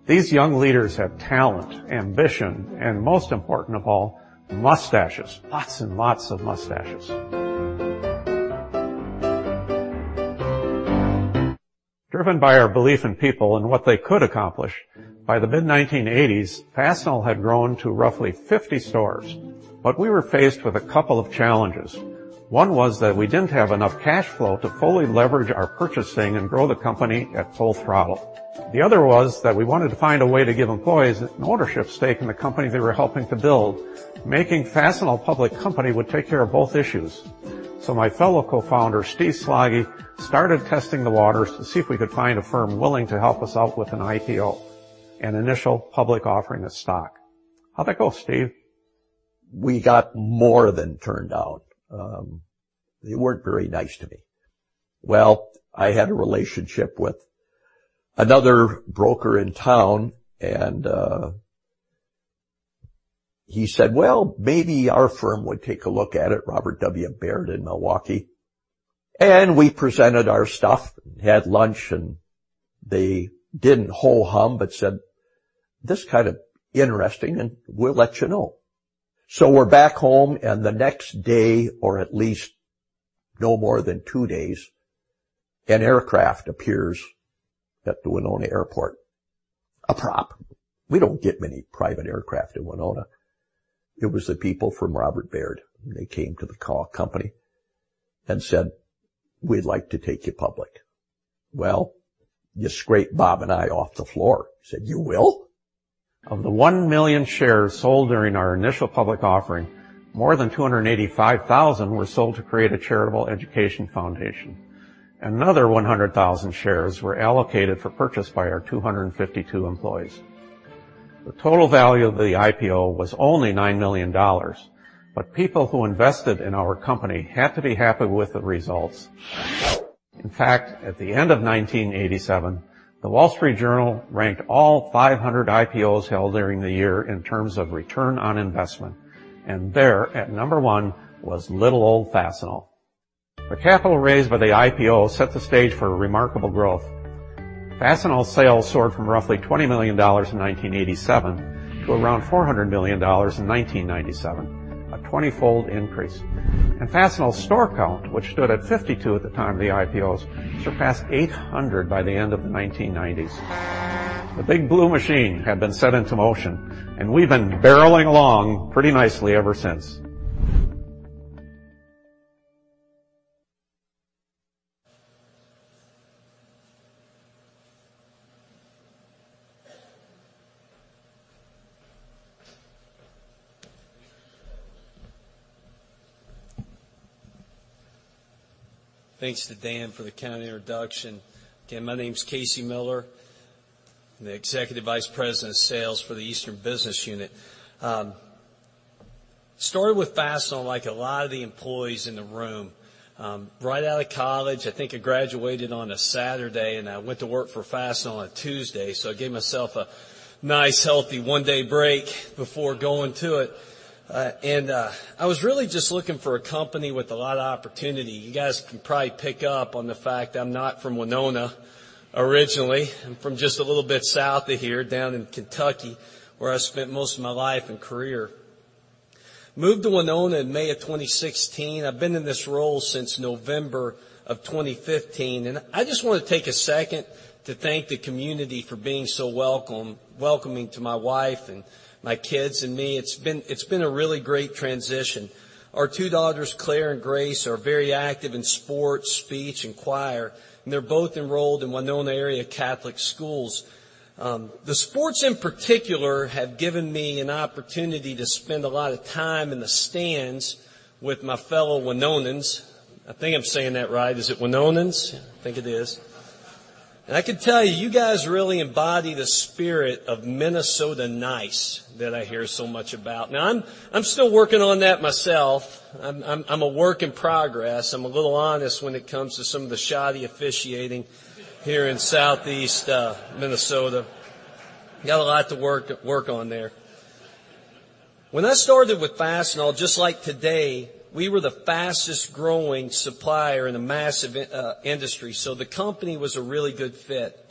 These young leaders had talent, ambition, and most important of all, mustaches. Lots and lots of mustaches. Driven by our belief in people and what they could accomplish, by the mid-1980s, Fastenal had grown to roughly 50 stores. We were faced with a couple of challenges. One was that we didn't have enough cash flow to fully leverage our purchasing and grow the company at full throttle. The other was that we wanted to find a way to give employees an ownership stake in the company they were helping to build. Making Fastenal a public company would take care of both issues. My fellow co-founder, Steve Slaggie, started testing the waters to see if we could find a firm willing to help us out with an IPO, an initial public offering of stock. How'd that go, Steve? We got more than turned down. They weren't very nice to me. Well, I had a relationship with another broker in town, and he said, "Well, maybe our firm would take a look at it", Robert W. Baird in Milwaukee. We presented our stuff and had lunch, and they didn't ho-hum, but said, "This is kind of interesting, and we'll let you know." We're back home, and the next day, or at least no more than two days, an aircraft appears at the Winona Airport. A prop. We don't get many private aircraft in Winona. It was the people from Robert W. Baird, and they came to the company Said, "We'd like to take you public." Well, you scrape Bob and I off the floor. Said, "You will? Of the 1 million shares sold during our initial public offering, more than 285,000 were sold to create a charitable education foundation. Another 100,000 shares were allocated for purchase by our 252 employees. The total value of the IPO was only $9 million, but people who invested in our company had to be happy with the results. In fact, at the end of 1987, The Wall Street Journal ranked all 500 IPOs held during the year in terms of return on investment. There, at number 1, was little old Fastenal. The capital raised by the IPO set the stage for remarkable growth. Fastenal sales soared from roughly $20 million in 1987 to around $400 million in 1997, a 20-fold increase. Fastenal's store count, which stood at 52 at the time of the IPO, surpassed 800 by the end of the 1990s. The big blue machine had been set into motion. We've been barreling along pretty nicely ever since. Thanks to Dan for the kind introduction. Again, my name's Casey Miller. I'm the Executive Vice President of Sales for the Eastern Business Unit. Started with Fastenal like a lot of the employees in the room, right out of college. I think I graduated on a Saturday. I went to work for Fastenal on a Tuesday. I gave myself a nice, healthy one-day break before going to it. I was really just looking for a company with a lot of opportunity. You guys can probably pick up on the fact I'm not from Winona originally. I'm from just a little bit south of here, down in Kentucky, where I spent most of my life and career. Moved to Winona in May of 2016. I've been in this role since November of 2015. I just want to take a second to thank the community for being so welcoming to my wife and my kids and me. It's been a really great transition. Our two daughters, Claire and Grace, are very active in sports, speech, and choir. They're both enrolled in Winona Area Catholic Schools. The sports, in particular, have given me an opportunity to spend a lot of time in the stands with my fellow Winonans. I think I'm saying that right. Is it Winonans? I think it is. I can tell you guys really embody the spirit of Minnesota nice that I hear so much about. Now, I'm still working on that myself. I'm a work in progress. I'm a little honest when it comes to some of the shoddy officiating here in Southeast Minnesota. Got a lot to work on there. When I started with Fastenal, just like today, we were the fastest growing supplier in a massive industry, so the company was a really good fit.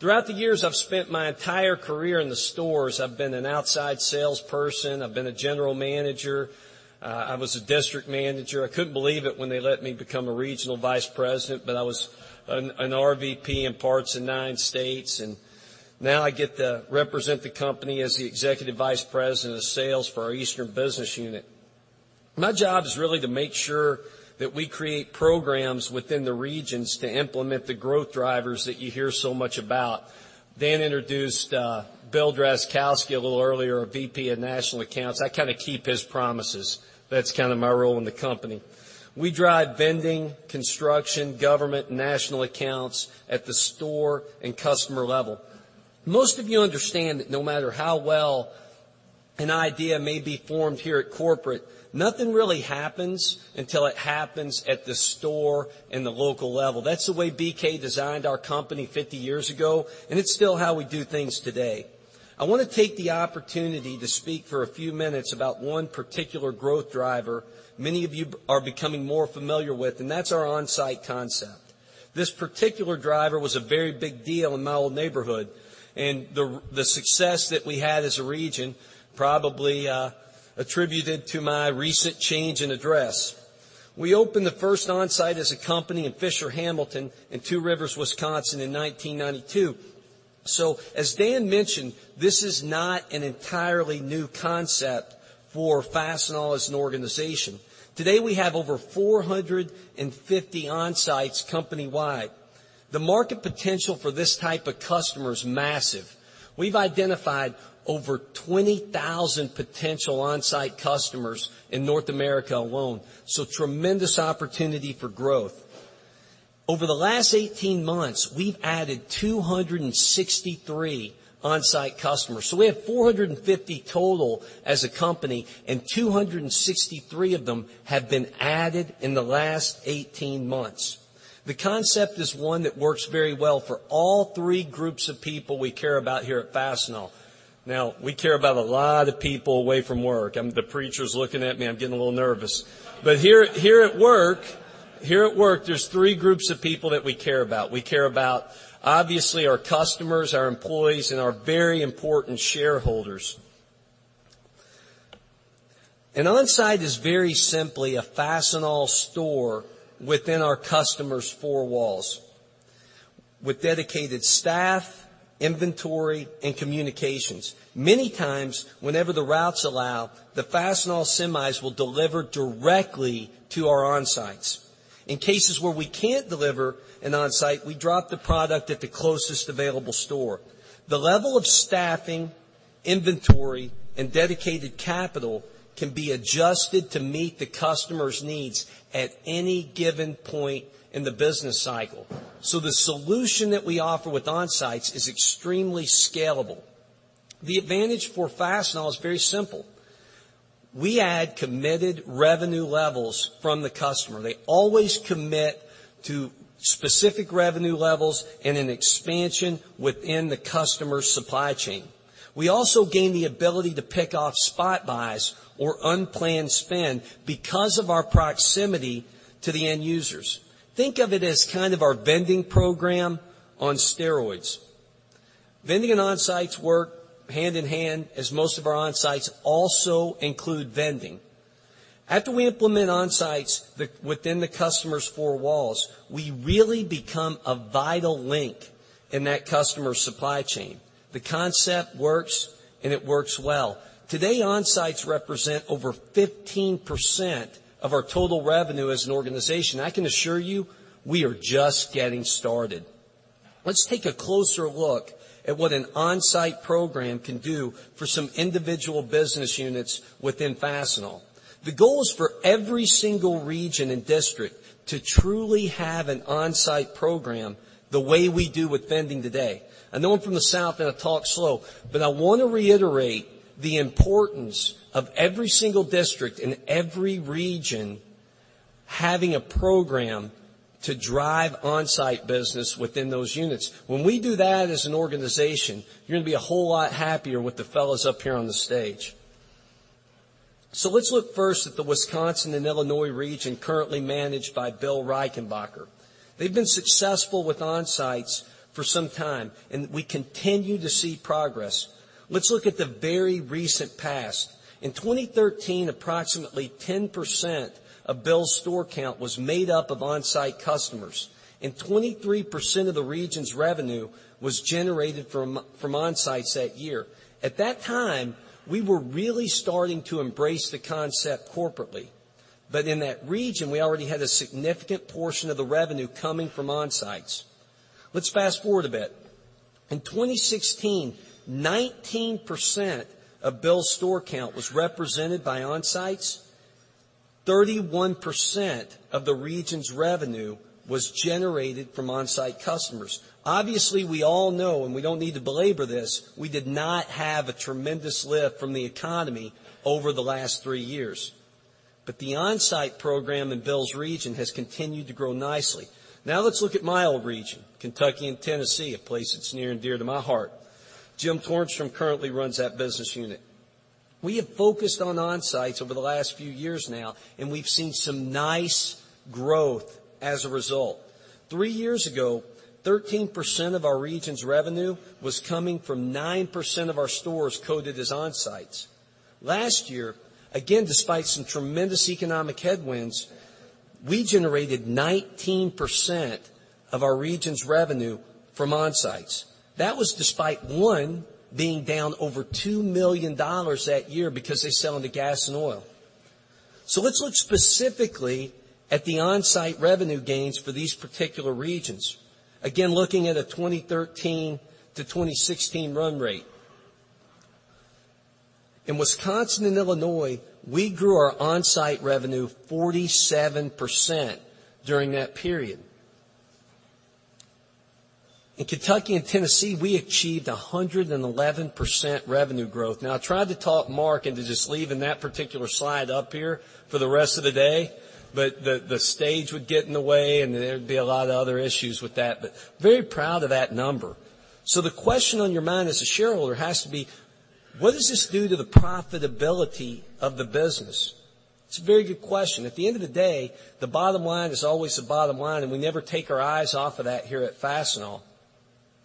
Throughout the years, I've spent my entire career in the stores. I've been an outside salesperson. I've been a general manager. I was a district manager. I couldn't believe it when they let me become a regional vice president, but I was an RVP in parts of nine states, and now I get to represent the company as the Executive Vice President of Sales for our Eastern Business Unit. My job is really to make sure that we create programs within the regions to implement the growth drivers that you hear so much about. Dan introduced Bill Drazkowski a little earlier, our VP of National Accounts. I kind of keep his promises. That's kind of my role in the company. We drive vending, construction, government, national accounts at the store and customer level. Most of you understand that no matter how well an idea may be formed here at corporate, nothing really happens until it happens at the store and the local level. That's the way BK designed our company 50 years ago, and it's still how we do things today. I want to take the opportunity to speak for a few minutes about one particular growth driver many of you are becoming more familiar with, and that's our Onsite concept. This particular driver was a very big deal in my old neighborhood, and the success that we had as a region probably attributed to my recent change in address. We opened the first Onsite as a company in Fisher Hamilton in Two Rivers, Wisconsin, in 1992. As Dan mentioned, this is not an entirely new concept for Fastenal as an organization. Today, we have over 450 Onsites company-wide. The market potential for this type of customer is massive. We've identified over 20,000 potential Onsite customers in North America alone, tremendous opportunity for growth. Over the last 18 months, we've added 263 Onsite customers. We have 450 total as a company, and 263 of them have been added in the last 18 months. The concept is one that works very well for all three groups of people we care about here at Fastenal. Now, we care about a lot of people away from work. The preacher's looking at me, I'm getting a little nervous. Here at work, there's three groups of people that we care about. We care about, obviously, our customers, our employees, and our very important shareholders. An Onsite is very simply a Fastenal store within our customer's four walls. With dedicated staff, inventory, and communications. Many times, whenever the routes allow, the Fastenal semis will deliver directly to our Onsites. In cases where we can't deliver an Onsite, we drop the product at the closest available store. The level of staffing, inventory, and dedicated capital can be adjusted to meet the customer's needs at any given point in the business cycle. The solution that we offer with Onsites is extremely scalable. The advantage for Fastenal is very simple. We add committed revenue levels from the customer. They always commit to specific revenue levels in an expansion within the customer's supply chain. We also gain the ability to pick off spot buys or unplanned spend because of our proximity to the end users. Think of it as kind of our vending program on steroids. Vending and Onsites work hand in hand as most of our Onsites also include vending. After we implement Onsites within the customer's four walls, we really become a vital link in that customer's supply chain. The concept works, and it works well. Today, Onsites represent over 15% of our total revenue as an organization. I can assure you, we are just getting started. Let's take a closer look at what an Onsite program can do for some individual business units within Fastenal. The goal is for every single region and district to truly have an Onsite program the way we do with vending today. I know I'm from the South and I talk slow, I want to reiterate the importance of every single district in every region having a program to drive Onsite business within those units. When we do that as an organization, you're going to be a whole lot happier with the fellows up here on the stage. Let's look first at the Wisconsin and Illinois region currently managed by Bill Reichenbacher. They've been successful with Onsites for some time, and we continue to see progress. Let's look at the very recent past. In 2013, approximately 10% of Bill's store count was made up of Onsite customers and 23% of the region's revenue was generated from Onsites that year. At that time, we were really starting to embrace the concept corporately. In that region, we already had a significant portion of the revenue coming from Onsites. Let's fast-forward a bit. In 2016, 19% of Bill's store count was represented by Onsites. 31% of the region's revenue was generated from Onsite customers. Obviously, we all know, and we don't need to belabor this, we did not have a tremendous lift from the economy over the last three years. The Onsite program in Bill's region has continued to grow nicely. Let's look at my old region, Kentucky and Tennessee, a place that's near and dear to my heart. Jim Tornstrom currently runs that business unit. We have focused on Onsites over the last few years now, and we've seen some nice growth as a result. Three years ago, 13% of our region's revenue was coming from 9% of our stores coded as Onsites. Last year, again, despite some tremendous economic headwinds, we generated 19% of our region's revenue from Onsites. That was despite one being down over $2 million that year because they sell into gas and oil. Let's look specifically at the Onsite revenue gains for these particular regions. Again, looking at a 2013 to 2016 run rate. In Wisconsin and Illinois, we grew our Onsite revenue 47% during that period. In Kentucky and Tennessee, we achieved 111% revenue growth. I tried to talk Mark into just leaving that particular slide up here for the rest of the day, the stage would get in the way, and there would be a lot of other issues with that, very proud of that number. The question on your mind as a shareholder has to be: what does this do to the profitability of the business? It's a very good question. At the end of the day, the bottom line is always the bottom line, and we never take our eyes off of that here at Fastenal.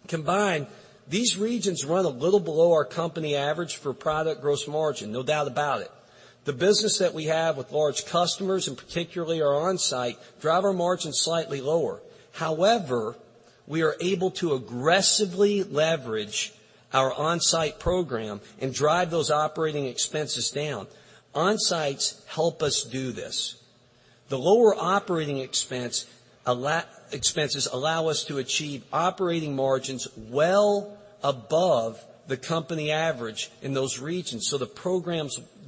Combined, these regions run a little below our company average for product gross margin, no doubt about it. The business that we have with large customers, and particularly our Onsite, drive our margins slightly lower. However, we are able to aggressively leverage our Onsite program and drive those operating expenses down. Onsites help us do this. The lower operating expenses allow us to achieve operating margins well above the company average in those regions. The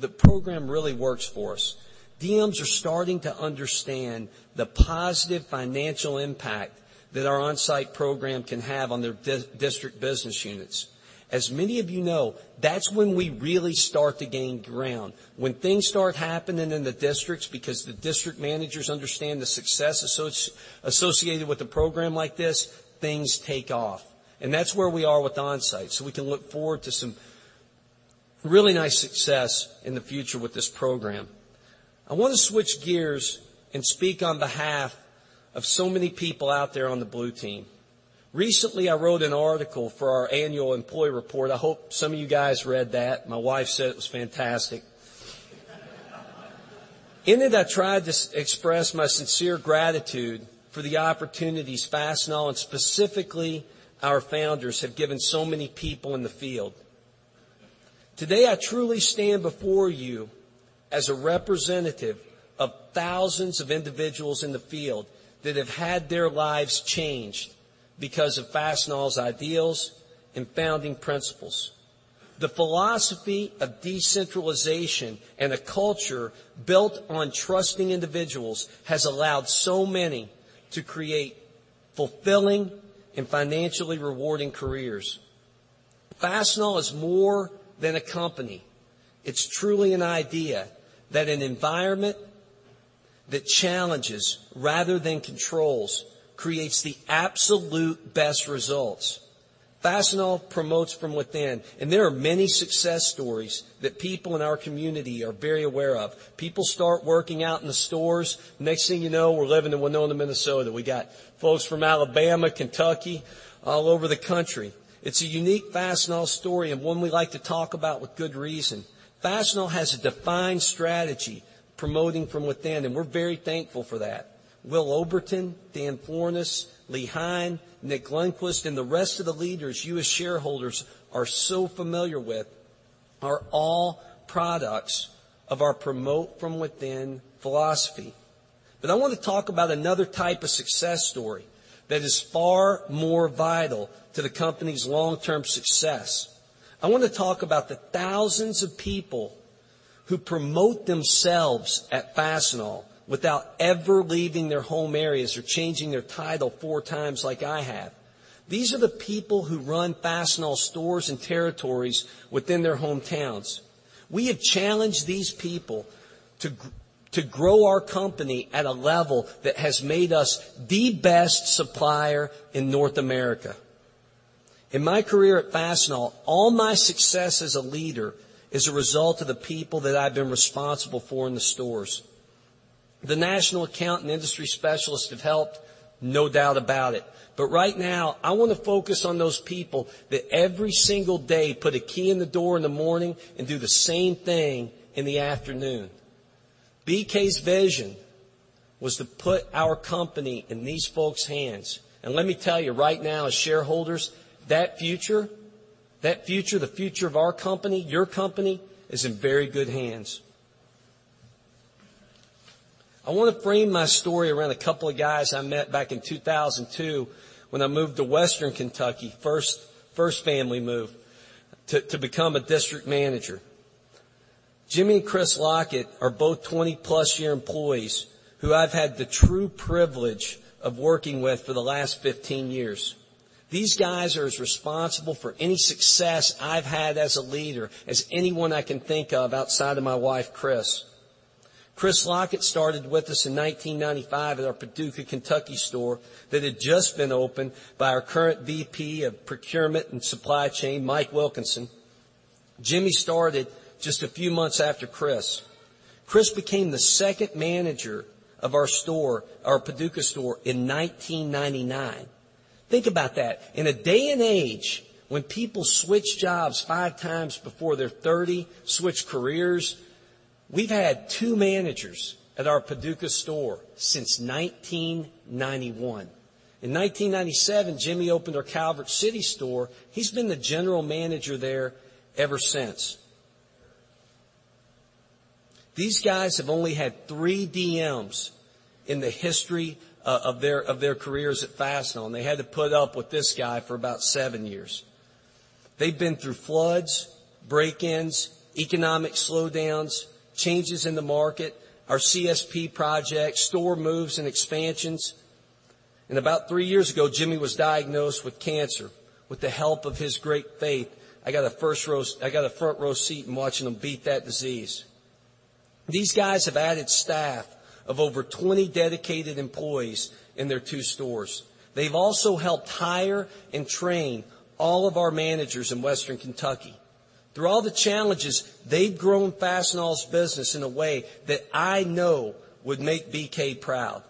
program really works for us. DMs are starting to understand the positive financial impact that our Onsite program can have on their district business units. As many of you know, that's when we really start to gain ground. When things start happening in the districts because the district managers understand the success associated with a program like this, things take off, and that's where we are with Onsite. We can look forward to some really nice success in the future with this program. I want to switch gears and speak on behalf of so many people out there on the blue team. Recently, I wrote an article for our annual employee report. I hope some of you guys read that. My wife said it was fantastic. In it, I tried to express my sincere gratitude for the opportunities Fastenal, specifically our founders, have given so many people in the field. Today, I truly stand before you as a representative of thousands of individuals in the field that have had their lives changed because of Fastenal's ideals and founding principles. The philosophy of decentralization and a culture built on trusting individuals has allowed so many to create fulfilling and financially rewarding careers. Fastenal is more than a company. It's truly an idea that an environment that challenges rather than controls creates the absolute best results. Fastenal promotes from within, and there are many success stories that people in our community are very aware of. People start working out in the stores, next thing you know, we're living in Winona, Minnesota. We got folks from Alabama, Kentucky, all over the country. It's a unique Fastenal story and one we like to talk about with good reason. Fastenal has a defined strategy promoting from within, and we're very thankful for that. Will Oberton, Dan Florness, Lee Hein, Nick Lundquist, and the rest of the leaders you as shareholders are so familiar with are all products of our promote from within philosophy. I want to talk about another type of success story that is far more vital to the company's long-term success. I want to talk about the thousands of people who promote themselves at Fastenal without ever leaving their home areas or changing their title four times like I have. These are the people who run Fastenal stores and territories within their hometowns. We have challenged these people to grow our company at a level that has made us the best supplier in North America. In my career at Fastenal, all my success as a leader is a result of the people that I've been responsible for in the stores. The national account and industry specialists have helped, no doubt about it. Right now, I want to focus on those people that every single day put a key in the door in the morning and do the same thing in the afternoon. BK's vision was to put our company in these folks' hands. Let me tell you right now, as shareholders, that future, the future of our company, your company, is in very good hands. I want to frame my story around a couple of guys I met back in 2002 when I moved to Western Kentucky, first family move, to become a district manager. Jimmy and Chris Lockett are both 20-plus-year employees who I have had the true privilege of working with for the last 15 years. These guys are as responsible for any success I have had as a leader as anyone I can think of outside of my wife, Chris. Chris Lockett started with us in 1995 at our Paducah, Kentucky store that had just been opened by our current VP of Procurement and Supply Chain, Mike Wilkinson. Jimmy started just a few months after Chris. Chris became the second manager of our store, our Paducah store in 1999. Think about that. In a day and age when people switch jobs five times before they are 30, switch careers, we have had two managers at our Paducah store since 1991. In 1997, Jimmy opened our Calvert City store. He has been the general manager there ever since. These guys have only had three DMs in the history of their careers at Fastenal, and they had to put up with this guy for about seven years. They have been through floods, break-ins, economic slowdowns, changes in the market, our CSP project, store moves and expansions. About three years ago, Jimmy was diagnosed with cancer. With the help of his great faith, I got a front row seat in watching him beat that disease. These guys have added staff of over 20 dedicated employees in their two stores. They have also helped hire and train all of our managers in Western Kentucky. Through all the challenges, they have grown Fastenal's business in a way that I know would make BK proud.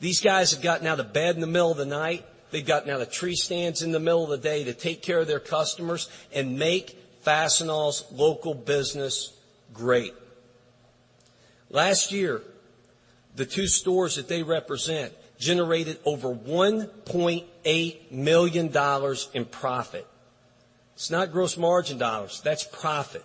These guys have gotten out of bed in the middle of the night. They have gotten out of tree stands in the middle of the day to take care of their customers and make Fastenal's local business great. Last year, the two stores that they represent generated over $1.8 million in profit. It is not gross margin dollars. That is profit.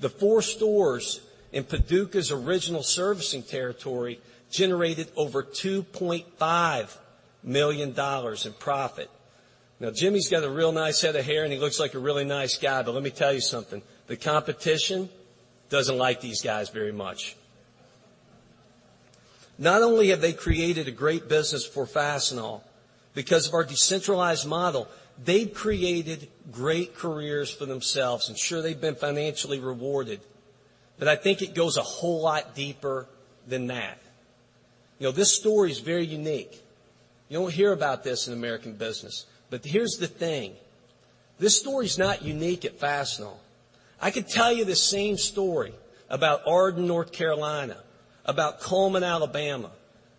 The four stores in Paducah's original servicing territory generated over $2.5 million in profit. Now, Jimmy has got a real nice head of hair, and he looks like a really nice guy, but let me tell you something. The competition does not like these guys very much. Not only have they created a great business for Fastenal because of our decentralized model, they have created great careers for themselves, and sure, they have been financially rewarded, but I think it goes a whole lot deeper than that. This story is very unique. You do not hear about this in American business. Here is the thing. This story is not unique at Fastenal. I could tell you the same story about Arden, North Carolina, about Cullman, Alabama,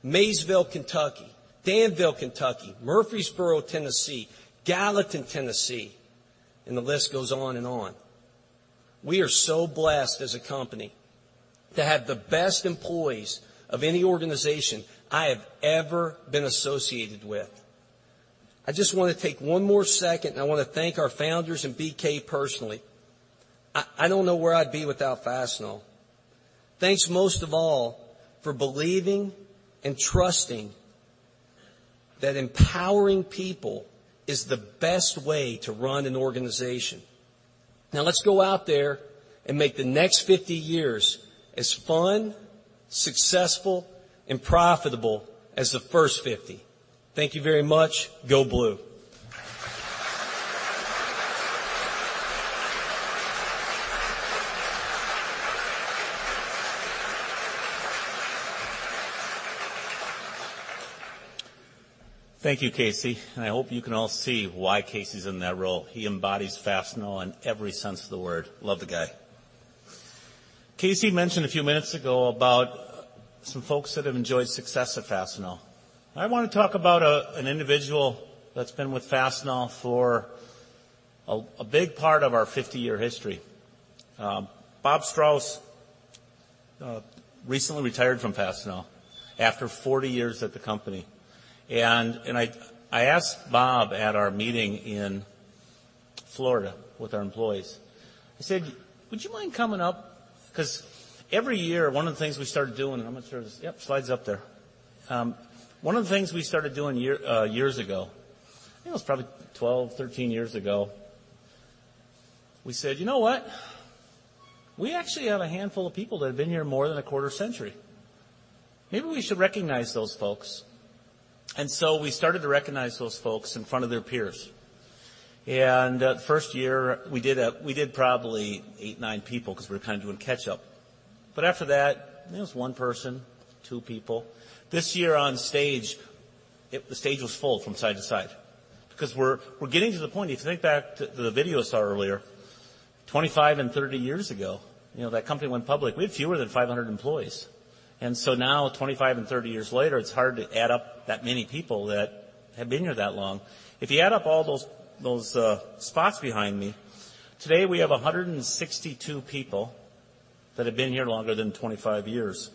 Maysville, Kentucky, Danville, Kentucky, Murfreesboro, Tennessee, Gallatin, Tennessee. The list goes on and on. We are so blessed as a company to have the best employees of any organization I have ever been associated with. I just want to take one more second, and I want to thank our founders and BK personally. I do not know where I would be without Fastenal. Thanks most of all for believing and trusting that empowering people is the best way to run an organization. Let's go out there and make the next 50 years as fun, successful, and profitable as the first 50. Thank you very much. Go blue. Thank you, Casey. I hope you can all see why Casey's in that role. He embodies Fastenal in every sense of the word. Love the guy. Casey mentioned a few minutes ago about some folks that have enjoyed success at Fastenal. I want to talk about an individual that's been with Fastenal for a big part of our 50-year history. Bob Strauss recently retired from Fastenal after 40 years at the company. I asked Bob at our meeting in Florida with our employees. I said, "Would you mind coming up?" Every year, one of the things we started doing I'm going to share this. Yep, slide's up there. One of the things we started doing years ago, I think it was probably 12, 13 years ago, we said, "You know what? We actually have a handful of people that have been here more than a quarter of a century. Maybe we should recognize those folks. We started to recognize those folks in front of their peers. The first year, we did probably eight, nine people because we were kind of doing catch-up. After that, it was one person, two people. This year on stage, the stage was full from side to side because we're getting to the point, if you think back to the video I saw earlier, 25 and 30 years ago, that company went public, we had fewer than 500 employees. Now, 25 and 30 years later, it's hard to add up that many people that have been here that long. If you add up all those spots behind me, today we have 162 people that have been here longer than 25 years.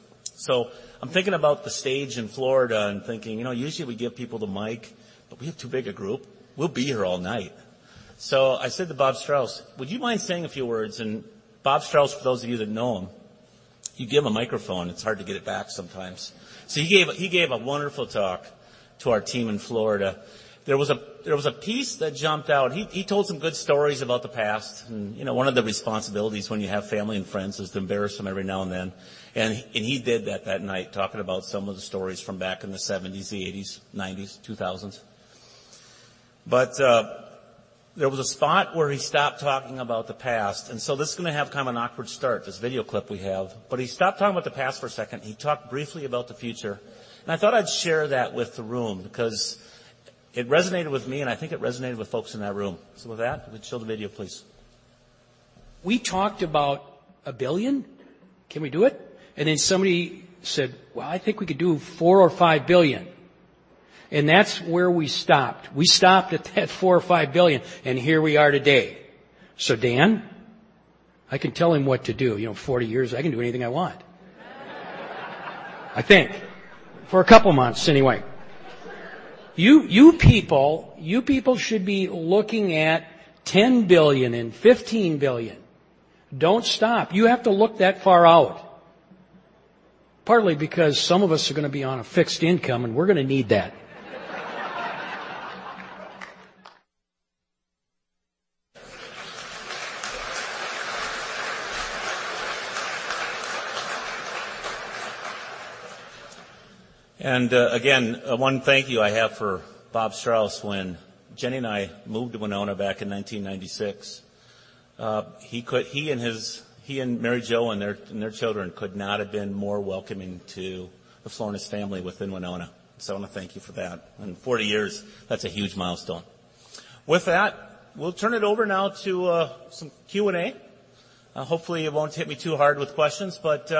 I'm thinking about the stage in Florida and thinking, usually we give people the mic. We have too big a group. We'll be here all night. I said to Bob Strauss, "Would you mind saying a few words?" Bob Strauss, for those of you that know him, you give him a microphone, it's hard to get it back sometimes. He gave a wonderful talk to our team in Florida. There was a piece that jumped out. He told some good stories about the past. One of the responsibilities when you have family and friends is to embarrass them every now and then. He did that that night, talking about some of the stories from back in the '70s, the '80s, '90s, 2000s. There was a spot where he stopped talking about the past, this is going to have kind of an awkward start, this video clip we have. He stopped talking about the past for a second and he talked briefly about the future, and I thought I'd share that with the room because it resonated with me, and I think it resonated with folks in that room. With that, show the video, please. We talked about $1 billion. Can we do it? Somebody said, "Well, I think we could do $4 billion or $5 billion." That's where we stopped. We stopped at that $4 billion or $5 billion, and here we are today. Dan, I can tell him what to do. 40 years, I can do anything I want. I think. For a couple of months, anyway. You people should be looking at $10 billion and $15 billion. Don't stop. You have to look that far out, partly because some of us are going to be on a fixed income, and we're going to need that. Again, one thank you I have for Bob Strauss. When Jenny and I moved to Winona back in 1996, he and Mary Jo and their children could not have been more welcoming to the Florness family within Winona. I want to thank you for that. 40 years, that's a huge milestone. With that, we'll turn it over now to some Q&A. Hopefully you won't hit me too hard with questions, but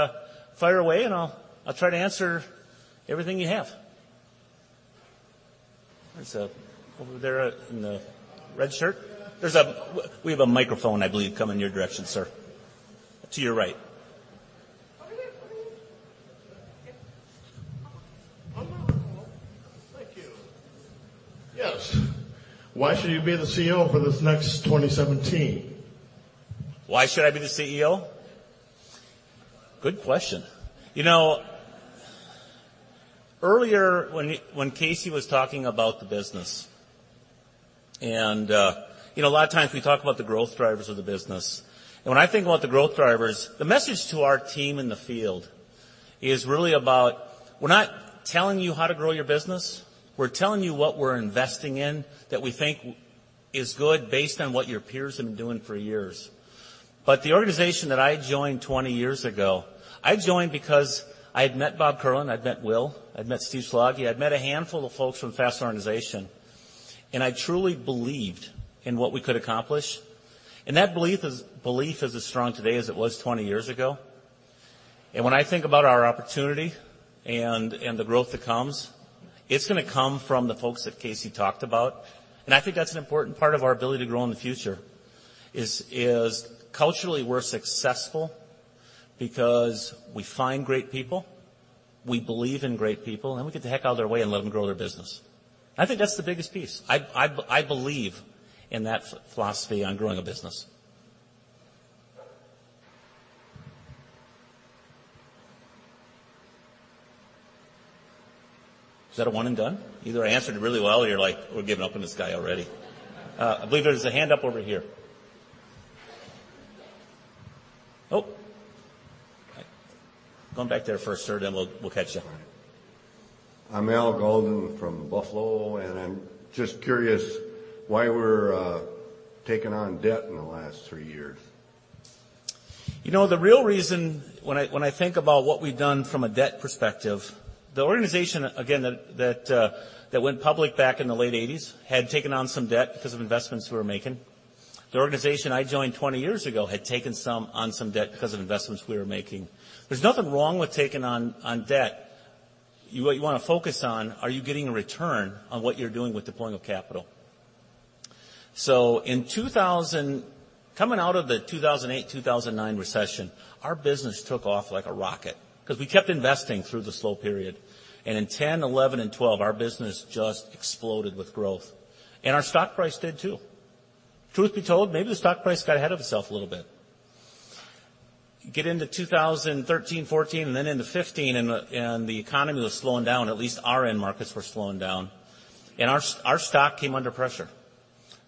fire away and I'll try to answer everything you have. There's over there in the red shirt. We have a microphone, I believe, coming your direction, sir. To your right. Over there. Over there. That's right. Thank you. Yes. Why should you be the CEO for this next 2017? Why should I be the CEO? Good question. Earlier, when Casey was talking about the business, a lot of times we talk about the growth drivers of the business, when I think about the growth drivers, the message to our team in the field is really about we're not telling you how to grow your business. We're telling you what we're investing in that we think is good based on what your peers have been doing for years. The organization that I joined 20 years ago, I joined because I had met Bob Kierlin, I'd met Will, I'd met Steve Slaggie, I'd met a handful of folks from Fastenal organization, and I truly believed in what we could accomplish, and that belief is as strong today as it was 20 years ago. When I think about our opportunity and the growth that comes, it's going to come from the folks that Casey talked about. I think that's an important part of our ability to grow in the future is culturally we're successful because we find great people, we believe in great people, and we get the heck out of their way and let them grow their business. I think that's the biggest piece. I believe in that philosophy on growing a business. Is that a one and done? Either I answered it really well or you're like, "We're giving up on this guy already." I believe there's a hand up over here. Oh. Go back there first, sir, then we'll catch you. All right. I'm Al Golden from Buffalo, I'm just curious why we're taking on debt in the last three years. The real reason, when I think about what we've done from a debt perspective, the organization, again, that went public back in the late '80s had taken on some debt because of investments we were making. The organization I joined 20 years ago had taken on some debt because of investments we were making. There's nothing wrong with taking on debt. What you want to focus on, are you getting a return on what you're doing with deploying of capital? Coming out of the 2008-2009 recession, our business took off like a rocket because we kept investing through the slow period. In 2010, 2011, and 2012, our business just exploded with growth, and our stock price did too. Truth be told, maybe the stock price got ahead of itself a little bit. Get into 2013, 2014, and then into 2015, the economy was slowing down, at least our end markets were slowing down, our stock came under pressure.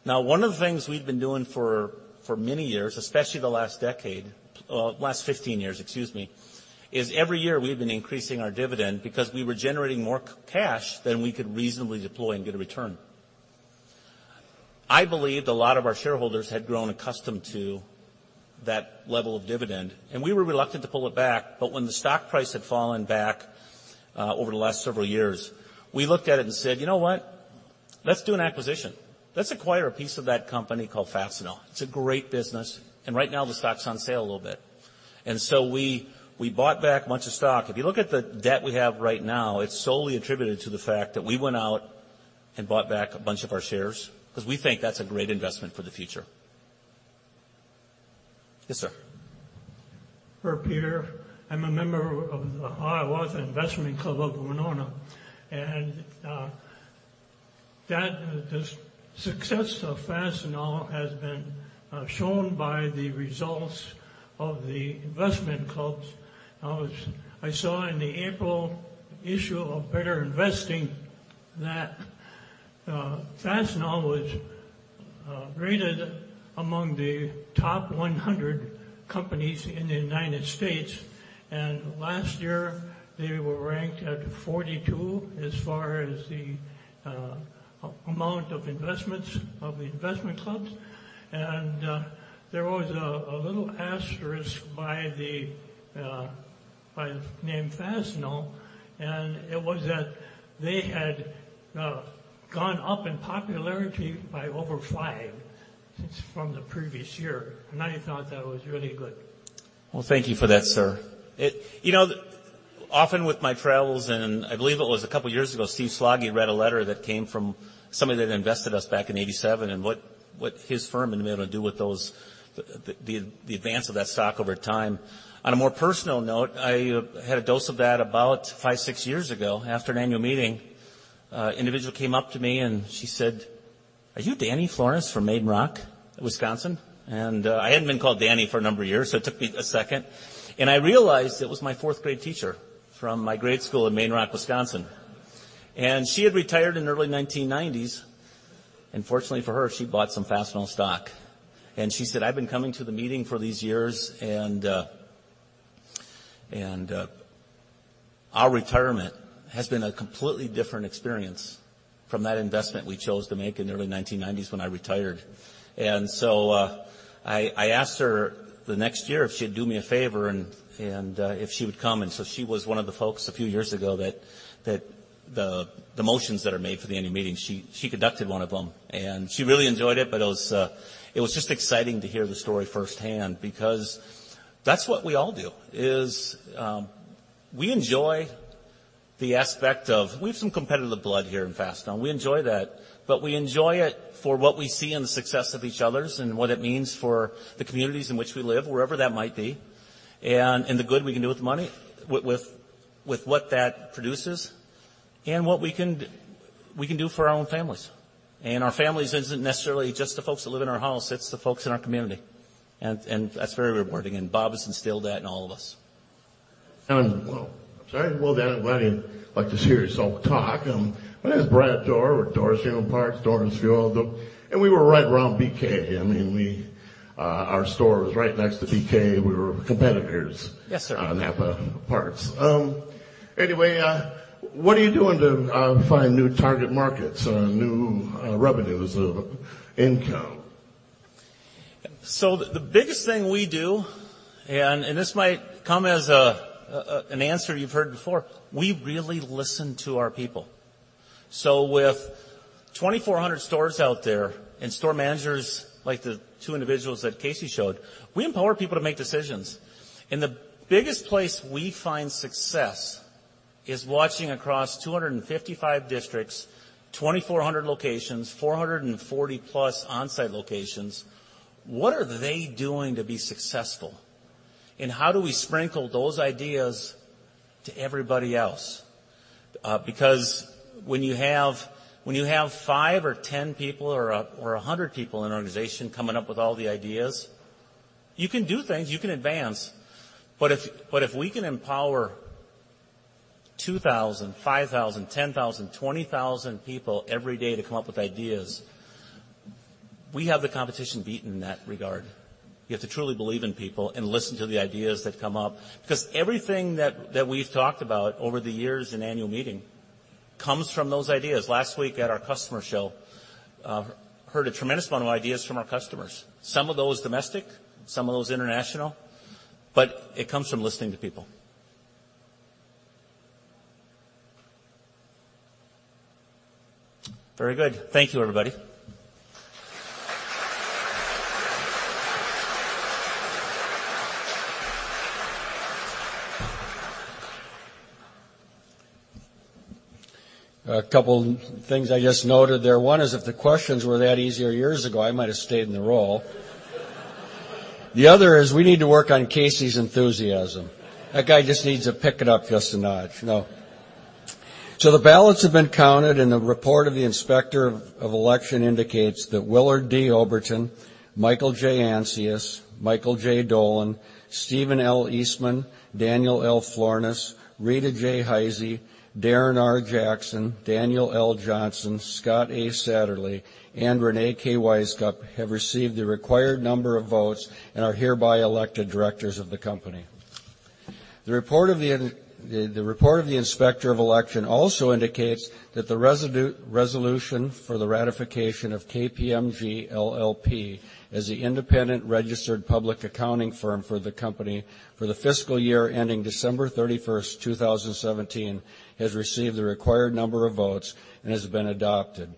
One of the things we've been doing for many years, especially the last decade, last 15 years, excuse me, is every year we've been increasing our dividend because we were generating more cash than we could reasonably deploy and get a return. I believed a lot of our shareholders had grown accustomed to that level of dividend, we were reluctant to pull it back. When the stock price had fallen back, over the last several years, we looked at it and said, "You know what? Let's do an acquisition. Let's acquire a piece of that company called Fastenal. It's a great business, and right now the stock's on sale a little bit." We bought back a bunch of stock. If you look at the debt we have right now, it's solely attributed to the fact that we went out and bought back a bunch of our shares because we think that's a great investment for the future. Yes, sir. Herb Peter. I'm a member of the Iowa Investment Club of Winona. The success of Fastenal has been shown by the results of the investment clubs. I saw in the April issue of BetterInvesting that Fastenal was rated among the top 100 companies in the U.S., last year they were ranked at 42 as far as the amount of investments of the investment clubs. There was a little asterisk by the name Fastenal, it was that they had gone up in popularity by over five from the previous year. I thought that was really good. Thank you for that, sir. Often with my travels, I believe it was a couple years ago, Steve Slaggie read a letter that came from somebody that invested us back in 1987, what his firm had been able to do with the advance of that stock over time. On a more personal note, I had a dose of that about five, six years ago. After an annual meeting, individual came up to me and she said, "Are you Danny Florness from Maiden Rock, Wisconsin?" I hadn't been called Danny for a number of years, so it took me a second, I realized it was my fourth grade teacher from my grade school in Maiden Rock, Wisconsin. She had retired in the early 1990s, fortunately for her, she bought some Fastenal stock. She said, "I've been coming to the meeting for these years, and our retirement has been a completely different experience from that investment we chose to make in the early 1990s when I retired." I asked her the next year if she'd do me a favor, and if she would come. She was one of the folks a few years ago that the motions that are made for the annual meeting, she conducted one of them. She really enjoyed it, but it was just exciting to hear the story firsthand because that's what we all do, is we enjoy the aspect of we have some competitive blood here in Fastenal. We enjoy that. We enjoy it for what we see in the success of each others and what it means for the communities in which we live, wherever that might be, and the good we can do with the money, with what that produces, and what we can do for our own families. Our families isn't necessarily just the folks that live in our house, it's the folks in our community. That's very rewarding, and Bob has instilled that in all of us. Well, I'm sorry. I'd like to hear you talk. My name is Brad Dorr, with Dorr's General Parts, Dorr's Fuel. We were right around BK. Our store was right next to BK. We were competitors. Yes, sir. on NAPA Auto Parts. What are you doing to find new target markets, new revenues of income? The biggest thing we do, and this might come as an answer you've heard before, we really listen to our people. With 2,400 stores out there and store managers like the two individuals that Casey showed, we empower people to make decisions. The biggest place we find success is watching across 255 districts, 2,400 locations, 440-plus Onsite locations. What are they doing to be successful? How do we sprinkle those ideas to everybody else? When you have five or ten people or 100 people in an organization coming up with all the ideas, you can do things, you can advance. If we can empower 2,000, 5,000, 10,000, 20,000 people every day to come up with ideas, we have the competition beaten in that regard. You have to truly believe in people and listen to the ideas that come up. Everything that we've talked about over the years in annual meeting comes from those ideas. Last week at our customer show, heard a tremendous amount of ideas from our customers, some of those domestic, some of those international, it comes from listening to people. Very good. Thank you, everybody. A couple things I just noted there. One is if the questions were that easy years ago, I might have stayed in the role. The other is we need to work on Casey's enthusiasm. That guy just needs to pick it up just a notch. No. The ballots have been counted, the report of the Inspector of Election indicates that Willard D. Oberton, Michael J. Ancius, Michael J. Dolan, Stephen L. Eastman, Daniel L. Florness, Rita J. Heise, Darren R. Jackson, Daniel L. Johnson, Scott A. Satterlee, and Reyne K. Wisecup have received the required number of votes and are hereby elected directors of the company. The report of the Inspector of Election also indicates that the resolution for the ratification of KPMG LLP as the independent registered public accounting firm for the company for the fiscal year ending December 31st, 2017, has received the required number of votes and has been adopted.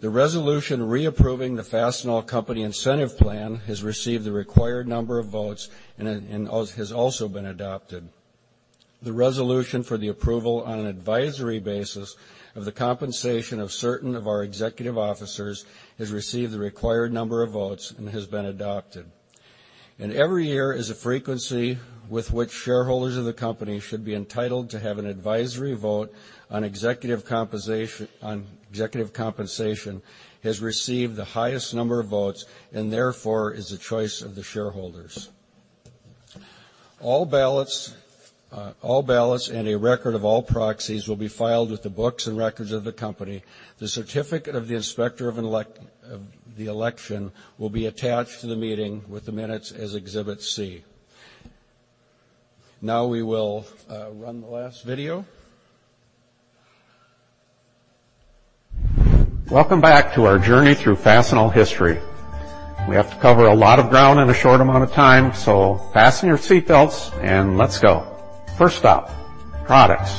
The resolution reapproving the Fastenal Company Incentive Plan has received the required number of votes and has also been adopted. The resolution for the approval on an advisory basis of the compensation of certain of our executive officers has received the required number of votes and has been adopted. Every year is a frequency with which shareholders of the company should be entitled to have an advisory vote on executive compensation has received the highest number of votes and therefore is the choice of the shareholders. All ballots and a record of all proxies will be filed with the books and records of the company. The certificate of the Inspector of the Election will be attached to the meeting with the minutes as Exhibit C. We will run the last video. Welcome back to our journey through Fastenal history. We have to cover a lot of ground in a short amount of time, so fasten your seat belts and let's go. First stop, products.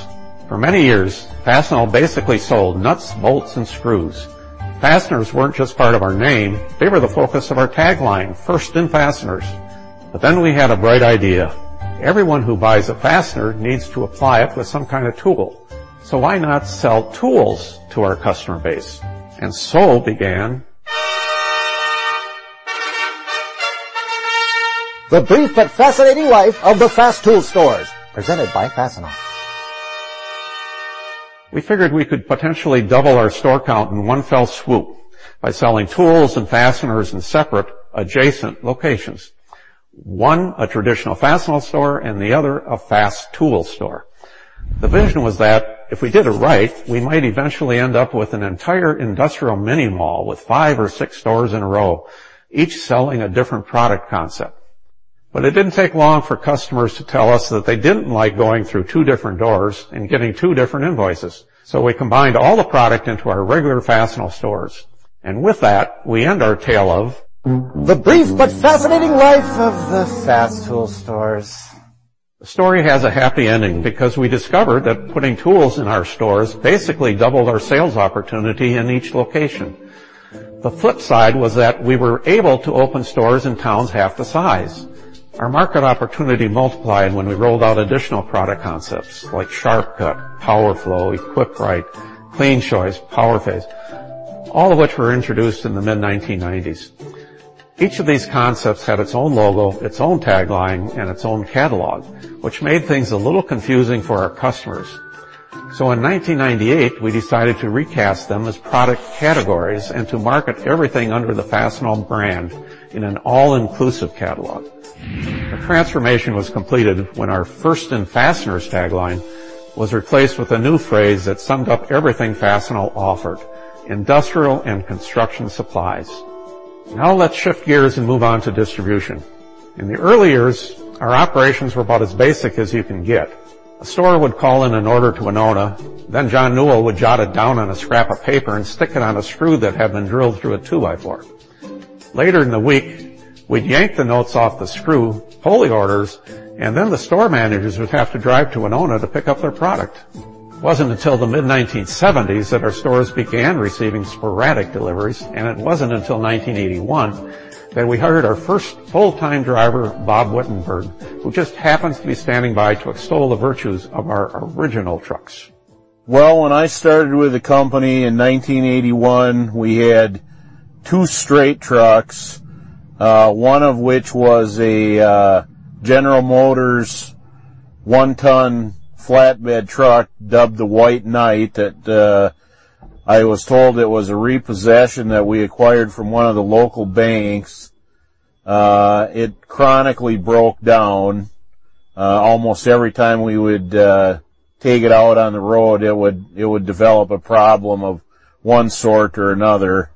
For many years, Fastenal basically sold nuts, bolts, and screws. Fasteners weren't just part of our name, they were the focus of our tagline, "First in fasteners." We had a bright idea. Everyone who buys a fastener needs to apply it with some kind of tool, so why not sell tools to our customer base? The Brief but Fascinating Life of the FastTool Stores," presented by Fastenal. We figured we could potentially double our store count in one fell swoop by selling tools and fasteners in separate adjacent locations. One, a traditional Fastenal store, and the other, a FastTool store. The vision was that if we did it right, we might eventually end up with an entire industrial mini mall with five or six stores in a row, each selling a different product concept. It didn't take long for customers to tell us that they didn't like going through two different doors and getting two different invoices. We combined all the product into our regular Fastenal stores. With that, we end our tale of- The Brief but Fascinating Life of the FastTool Stores". The story has a happy ending because we discovered that putting tools in our stores basically doubled our sales opportunity in each location. The flip side was that we were able to open stores in towns half the size. Our market opportunity multiplied when we rolled out additional product concepts like Sharp Cut, Power Flow, Equiprite, Clean Choice, Power Phase, all of which were introduced in the mid-1990s. Each of these concepts had its own logo, its own tagline, and its own catalog, which made things a little confusing for our customers. In 1998, we decided to recast them as product categories and to market everything under the Fastenal brand in an all-inclusive catalog. The transformation was completed when our "First in fasteners" tagline was replaced with a new phrase that summed up everything Fastenal offered, "Industrial and construction supplies." Now let's shift gears and move on to distribution. In the early years, our operations were about as basic as you can get. A store would call in an order to Winona. Jon Newell would jot it down on a scrap of paper and stick it on a screw that had been drilled through a two-by-four. Later in the week, we'd yank the notes off the screw, pull the orders, the store managers would have to drive to Winona to pick up their product. It wasn't until the mid-1970s that our stores began receiving sporadic deliveries, and it wasn't until 1981 that we hired our first full-time driver, Bob Wittenberg, who just happens to be standing by to extol the virtues of our original trucks. Well, when I started with the company in 1981, we had two straight trucks, one of which was a General Motors one-ton flatbed truck dubbed the White Knight, that I was told it was a repossession that we acquired from one of the local banks. It chronically broke down. Almost every time we would take it out on the road, it would develop a problem of one sort or another.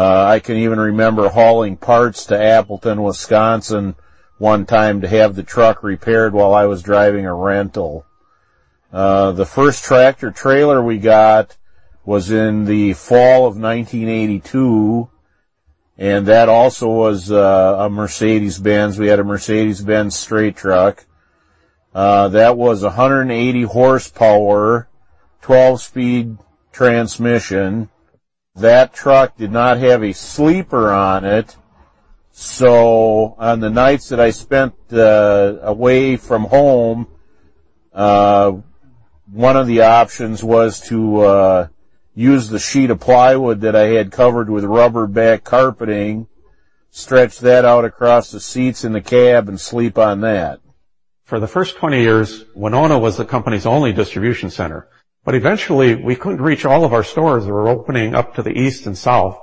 I can even remember hauling parts to Appleton, Wisconsin one time to have the truck repaired while I was driving a rental. The first tractor-trailer we got was in the fall of 1982. That also was a Mercedes-Benz. We had a Mercedes-Benz straight truck. That was 180 horsepower, 12-speed transmission. That truck did not have a sleeper on it, so on the nights that I spent away from home, one of the options was to use the sheet of plywood that I had covered with rubber back carpeting, stretch that out across the seats in the cab, and sleep on that. For the first 20 years, Winona was the company's only distribution center, but eventually, we couldn't reach all of our stores that were opening up to the east and south.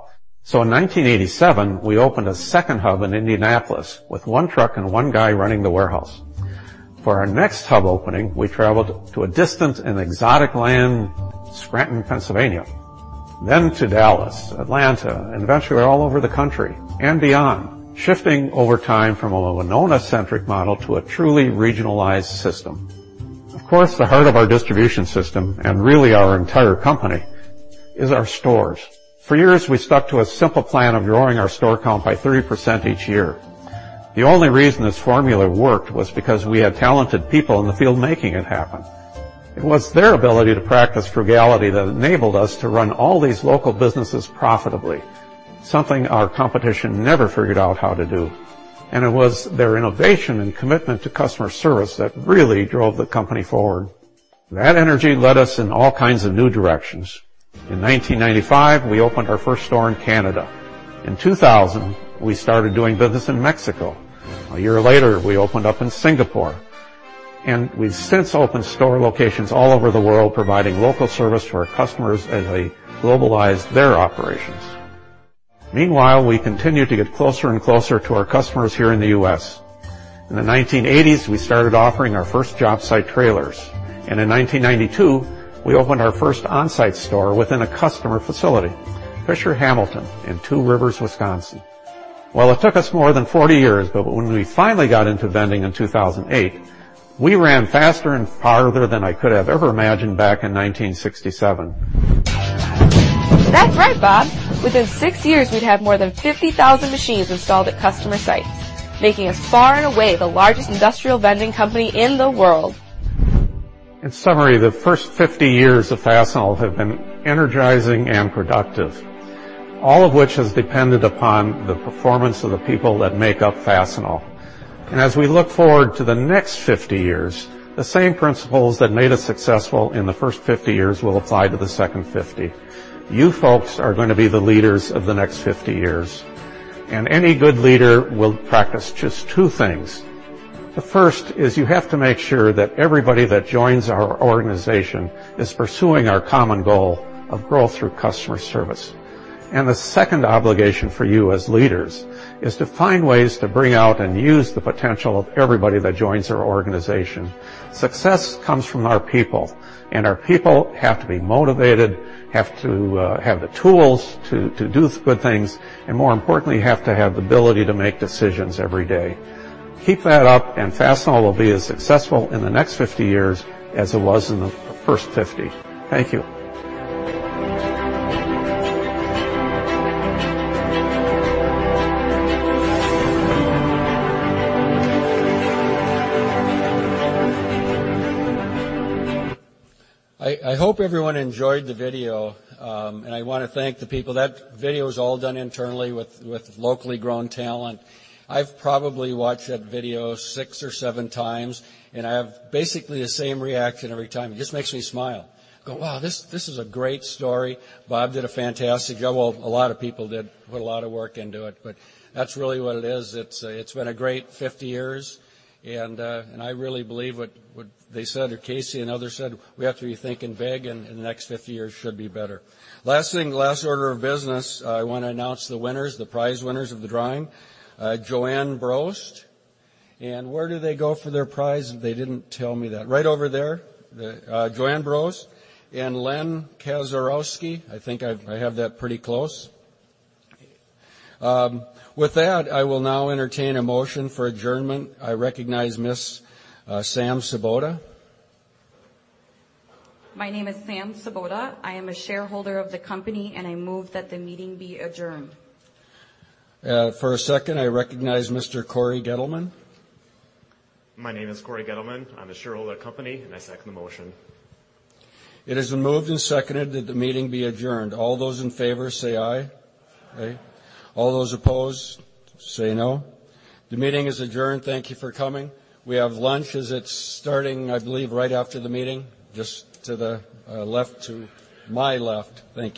In 1987, we opened a second hub in Indianapolis with one truck and one guy running the warehouse. For our next hub opening, we traveled to a distant and exotic land, Scranton, Pennsylvania, then to Dallas, Atlanta, and eventually, we were all over the country and beyond. Shifting over time from a Winona-centric model to a truly regionalized system. Of course, the heart of our distribution system, and really our entire company, is our stores. For years, we stuck to a simple plan of growing our store count by 30% each year. The only reason this formula worked was because we had talented people in the field making it happen. It was their ability to practice frugality that enabled us to run all these local businesses profitably, something our competition never figured out how to do. It was their innovation and commitment to customer service that really drove the company forward. That energy led us in all kinds of new directions. In 1995, we opened our first store in Canada. In 2000, we started doing business in Mexico. A year later, we opened up in Singapore. We've since opened store locations all over the world, providing local service to our customers as they globalized their operations. Meanwhile, we continued to get closer and closer to our customers here in the U.S. In the 1980s, we started offering our first job site trailers, and in 1992, we opened our first Onsite store within a customer facility, Fisher Hamilton, in Two Rivers, Wisconsin. Well, it took us more than 40 years, but when we finally got into vending in 2008, we ran faster and farther than I could have ever imagined back in 1967. That's right, Bob. Within six years, we'd have more than 50,000 machines installed at customer sites, making us far and away the largest industrial vending company in the world. In summary, the first 50 years of Fastenal have been energizing and productive. All of which has depended upon the performance of the people that make up Fastenal. As we look forward to the next 50 years, the same principles that made us successful in the first 50 years will apply to the second 50. You folks are going to be the leaders of the next 50 years, and any good leader will practice just two things. The first is you have to make sure that everybody that joins our organization is pursuing our common goal of growth through customer service. The second obligation for you as leaders is to find ways to bring out and use the potential of everybody that joins our organization. Success comes from our people, and our people have to be motivated, have to have the tools to do good things, and more importantly, have to have the ability to make decisions every day. Keep that up, and Fastenal will be as successful in the next 50 years as it was in the first 50. Thank you. I hope everyone enjoyed the video. I want to thank the people. That video was all done internally with locally grown talent. I've probably watched that video six or seven times, and I have basically the same reaction every time. It just makes me smile. I go, "Wow, this is a great story. Bob did a fantastic job." Well, a lot of people did put a lot of work into it, but that's really what it is. It's been a great 50 years, and I really believe what they said, or Casey and others said, we have to be thinking big, and the next 50 years should be better. Last thing, last order of business, I want to announce the winners, the prize winners of the drawing. Joanne Brost. Where do they go for their prize? They didn't tell me that. Right over there. Joanne Brost and Len Kaczorowski. I think I have that pretty close. With that, I will now entertain a motion for adjournment. I recognize Ms. Sarah Sobota. My name is Sarah Sobota. I am a shareholder of the company, and I move that the meeting be adjourned. For a second, I recognize Mr. Corey Gettleman. My name is Corey Gettleman. I'm a shareholder of the company, and I second the motion. It is moved and seconded that the meeting be adjourned. All those in favor say aye. Aye. All those opposed say no. The meeting is adjourned. Thank you for coming. We have lunch as it's starting, I believe, right after the meeting, just to the left, to my left. Thank you.